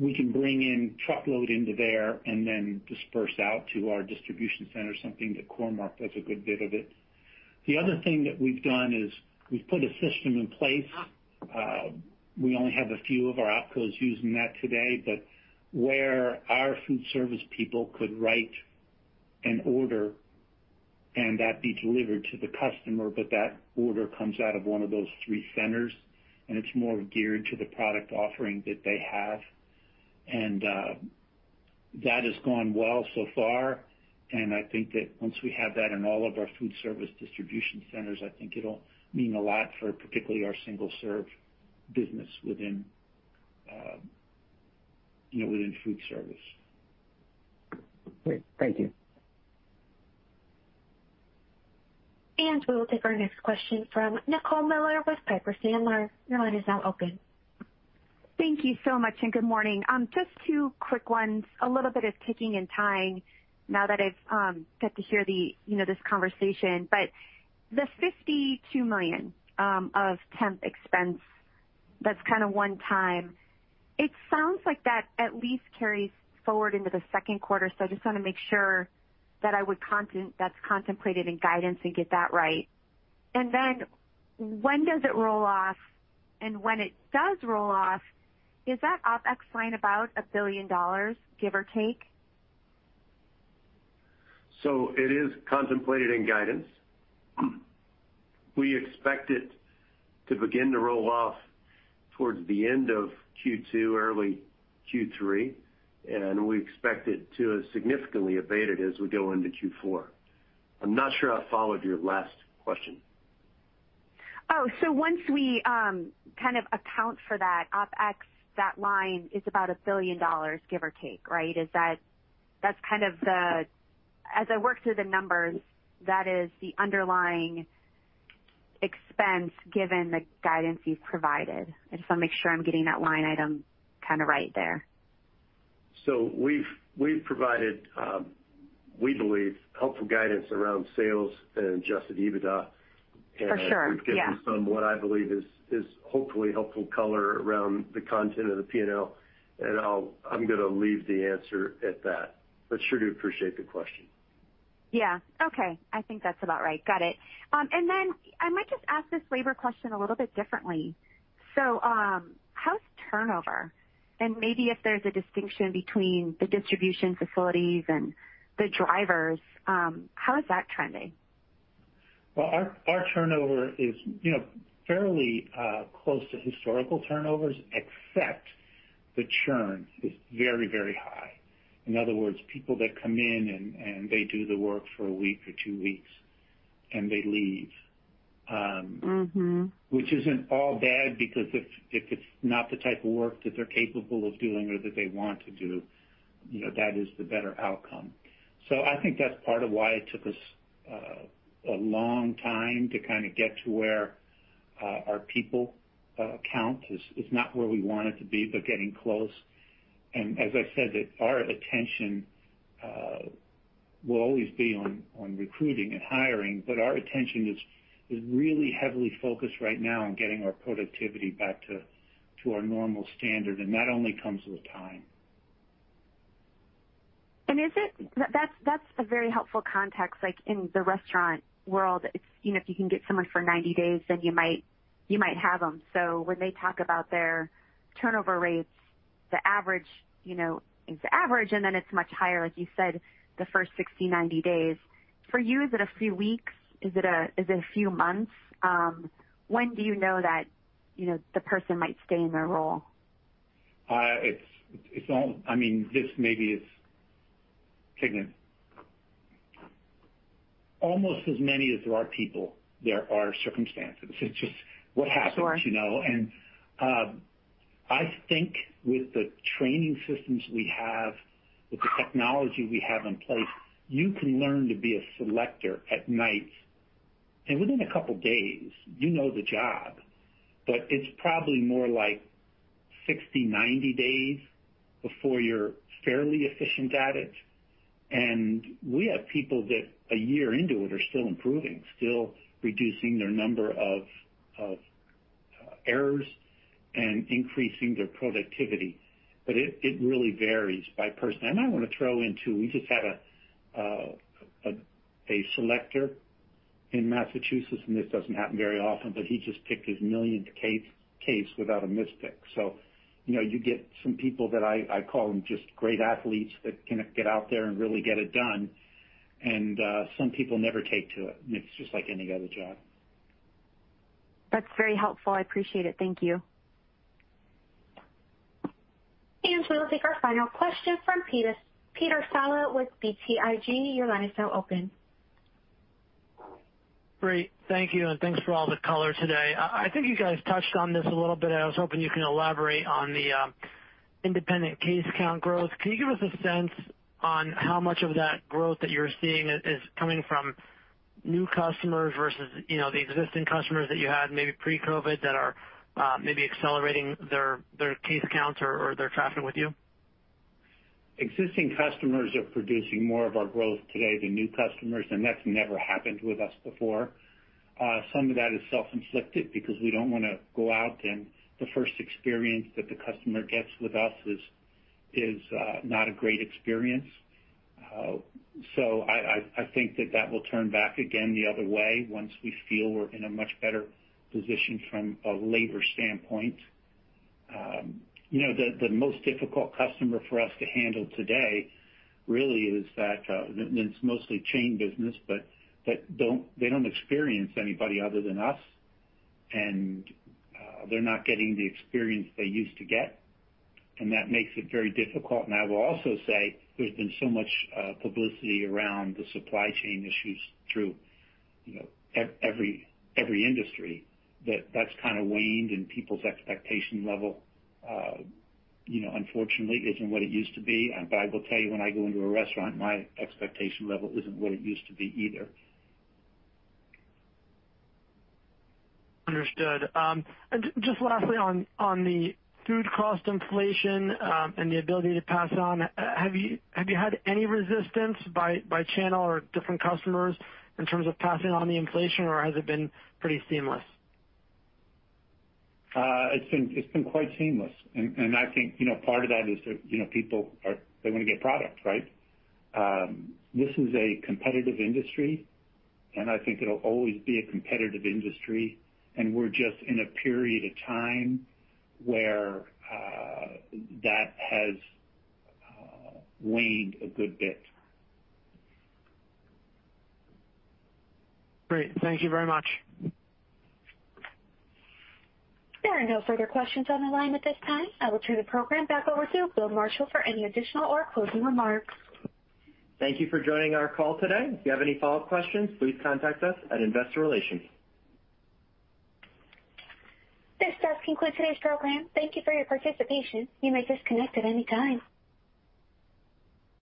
we can bring in truckload into there and then disperse out to our distribution center, something that Core-Mark does a good bit of. The other thing that we've done is we've put a system in place, we only have a few of our opcos using that today, but where our foodservice people could write an order and that be delivered to the customer, but that order comes out of one of those three centers, and it's more geared to the product offering that they have. That has gone well so far. I think that once we have that in all of our foodservice distribution centers, I think it'll mean a lot for particularly our single-serve business within, you know, within foodservice. Great. Thank you. We will take our next question from Nicole Miller with Piper Sandler. Your line is now open. Thank you so much, and good morning. Just two quick ones. A little bit of ticking and tying now that I've got to hear this conversation. The $52 million of temp expense, that's kinda one time, it sounds like that at least carries forward into the second quarter. I just wanna make sure that's contemplated in guidance and get that right. Then when does it roll off? When it does roll off, is that OpEx line about $1 billion, give or take? It is contemplated in guidance. We expect it to begin to roll off towards the end of Q2, early Q3, and we expect it to have significantly abated as we go into Q4. I'm not sure I followed your last question. Oh, once we kind of account for that OpEx, that line is about $1 billion, give or take, right? As I work through the numbers, that is the underlying expense given the guidance you've provided. I just wanna make sure I'm getting that line item kinda right there. We've provided, we believe, helpful guidance around sales and adjusted EBITDA. For sure, yeah. We've given some, what I believe is hopefully helpful color around the content of the P&L, and I'm gonna leave the answer at that. Sure do appreciate the question. Yeah. Okay. I think that's about right. Got it. I might just ask this labor question a little bit differently. How's turnover? Maybe if there's a distinction between the distribution facilities and the drivers, how is that trending? Well, our turnover is, you know, fairly close to historical turnovers, except the churn is very, very high. In other words, people that come in and they do the work for a week or two weeks, and they leave. Mm-hmm. Which isn't all bad because if it's not the type of work that they're capable of doing or that they want to do, you know, that is the better outcome. I think that's part of why it took us a long time to kinda get to where our people count is not where we want it to be, but getting close. As I said that our attention will always be on recruiting and hiring, but our attention is really heavily focused right now on getting our productivity back to our normal standard. That only comes with time. Is it? That's a very helpful context. Like, in the restaurant world, it's, you know, if you can get someone for 90 days, then you might have them. When they talk about their turnover rates, the average, you know, is the average, and then it's much higher, like you said, the first 60, 90 days. For you, is it a few weeks? Is it a few months? When do you know that, you know, the person might stay in their role? It's all. I mean, this maybe is poignant. Almost as many as there are people, there are circumstances. It's just what happens. Sure. You know? I think with the training systems we have, with the technology we have in place, you can learn to be a selector at night. Within a couple days, you know the job, but it's probably more like 60, 90 days before you're fairly efficient at it. We have people that a year into it are still improving, still reducing their number of errors and increasing their productivity. It really varies by person. I wanna throw in, too, we just had a selector in Massachusetts, and this doesn't happen very often, but he just picked his millionth case without a mispick. You know, you get some people that I call them just great athletes that can get out there and really get it done and some people never take to it. It's just like any other job. That's very helpful. I appreciate it. Thank you. We will take our final question from Peter Saleh with BTIG. Your line is now open. Great. Thank you, and thanks for all the color today. I think you guys touched on this a little bit. I was hoping you can elaborate on the independent case count growth. Can you give us a sense on how much of that growth that you're seeing is coming from new customers versus, you know, the existing customers that you had maybe pre-COVID that are maybe accelerating their case counts or their traffic with you? Existing customers are producing more of our growth today than new customers, and that's never happened with us before. Some of that is self-inflicted because we don't wanna go out and the first experience that the customer gets with us is not a great experience. I think that will turn back again the other way once we feel we're in a much better position from a labor standpoint. You know, the most difficult customer for us to handle today really is that, and it's mostly chain business, but they don't experience anybody other than us. They're not getting the experience they used to get, and that makes it very difficult. I will also say there's been so much publicity around the supply chain issues through, you know, every industry that that's kinda waned and people's expectation level, you know, unfortunately isn't what it used to be. I will tell you, when I go into a restaurant, my expectation level isn't what it used to be either. Understood. Just lastly on the food cost inflation, and the ability to pass it on. Have you had any resistance by channel or different customers in terms of passing on the inflation, or has it been pretty seamless? It's been quite seamless. I think, you know, part of that is that, you know, people are, they wanna get product, right? This is a competitive industry, and I think it'll always be a competitive industry, and we're just in a period of time where that has waned a good bit. Great. Thank you very much. There are no further questions on the line at this time. I will turn the program back over to Bill Marshall for any additional or closing remarks. Thank you for joining our call today. If you have any follow-up questions, please contact us at Investor Relations. This does conclude today's program. Thank you for your participation. You may disconnect at any time.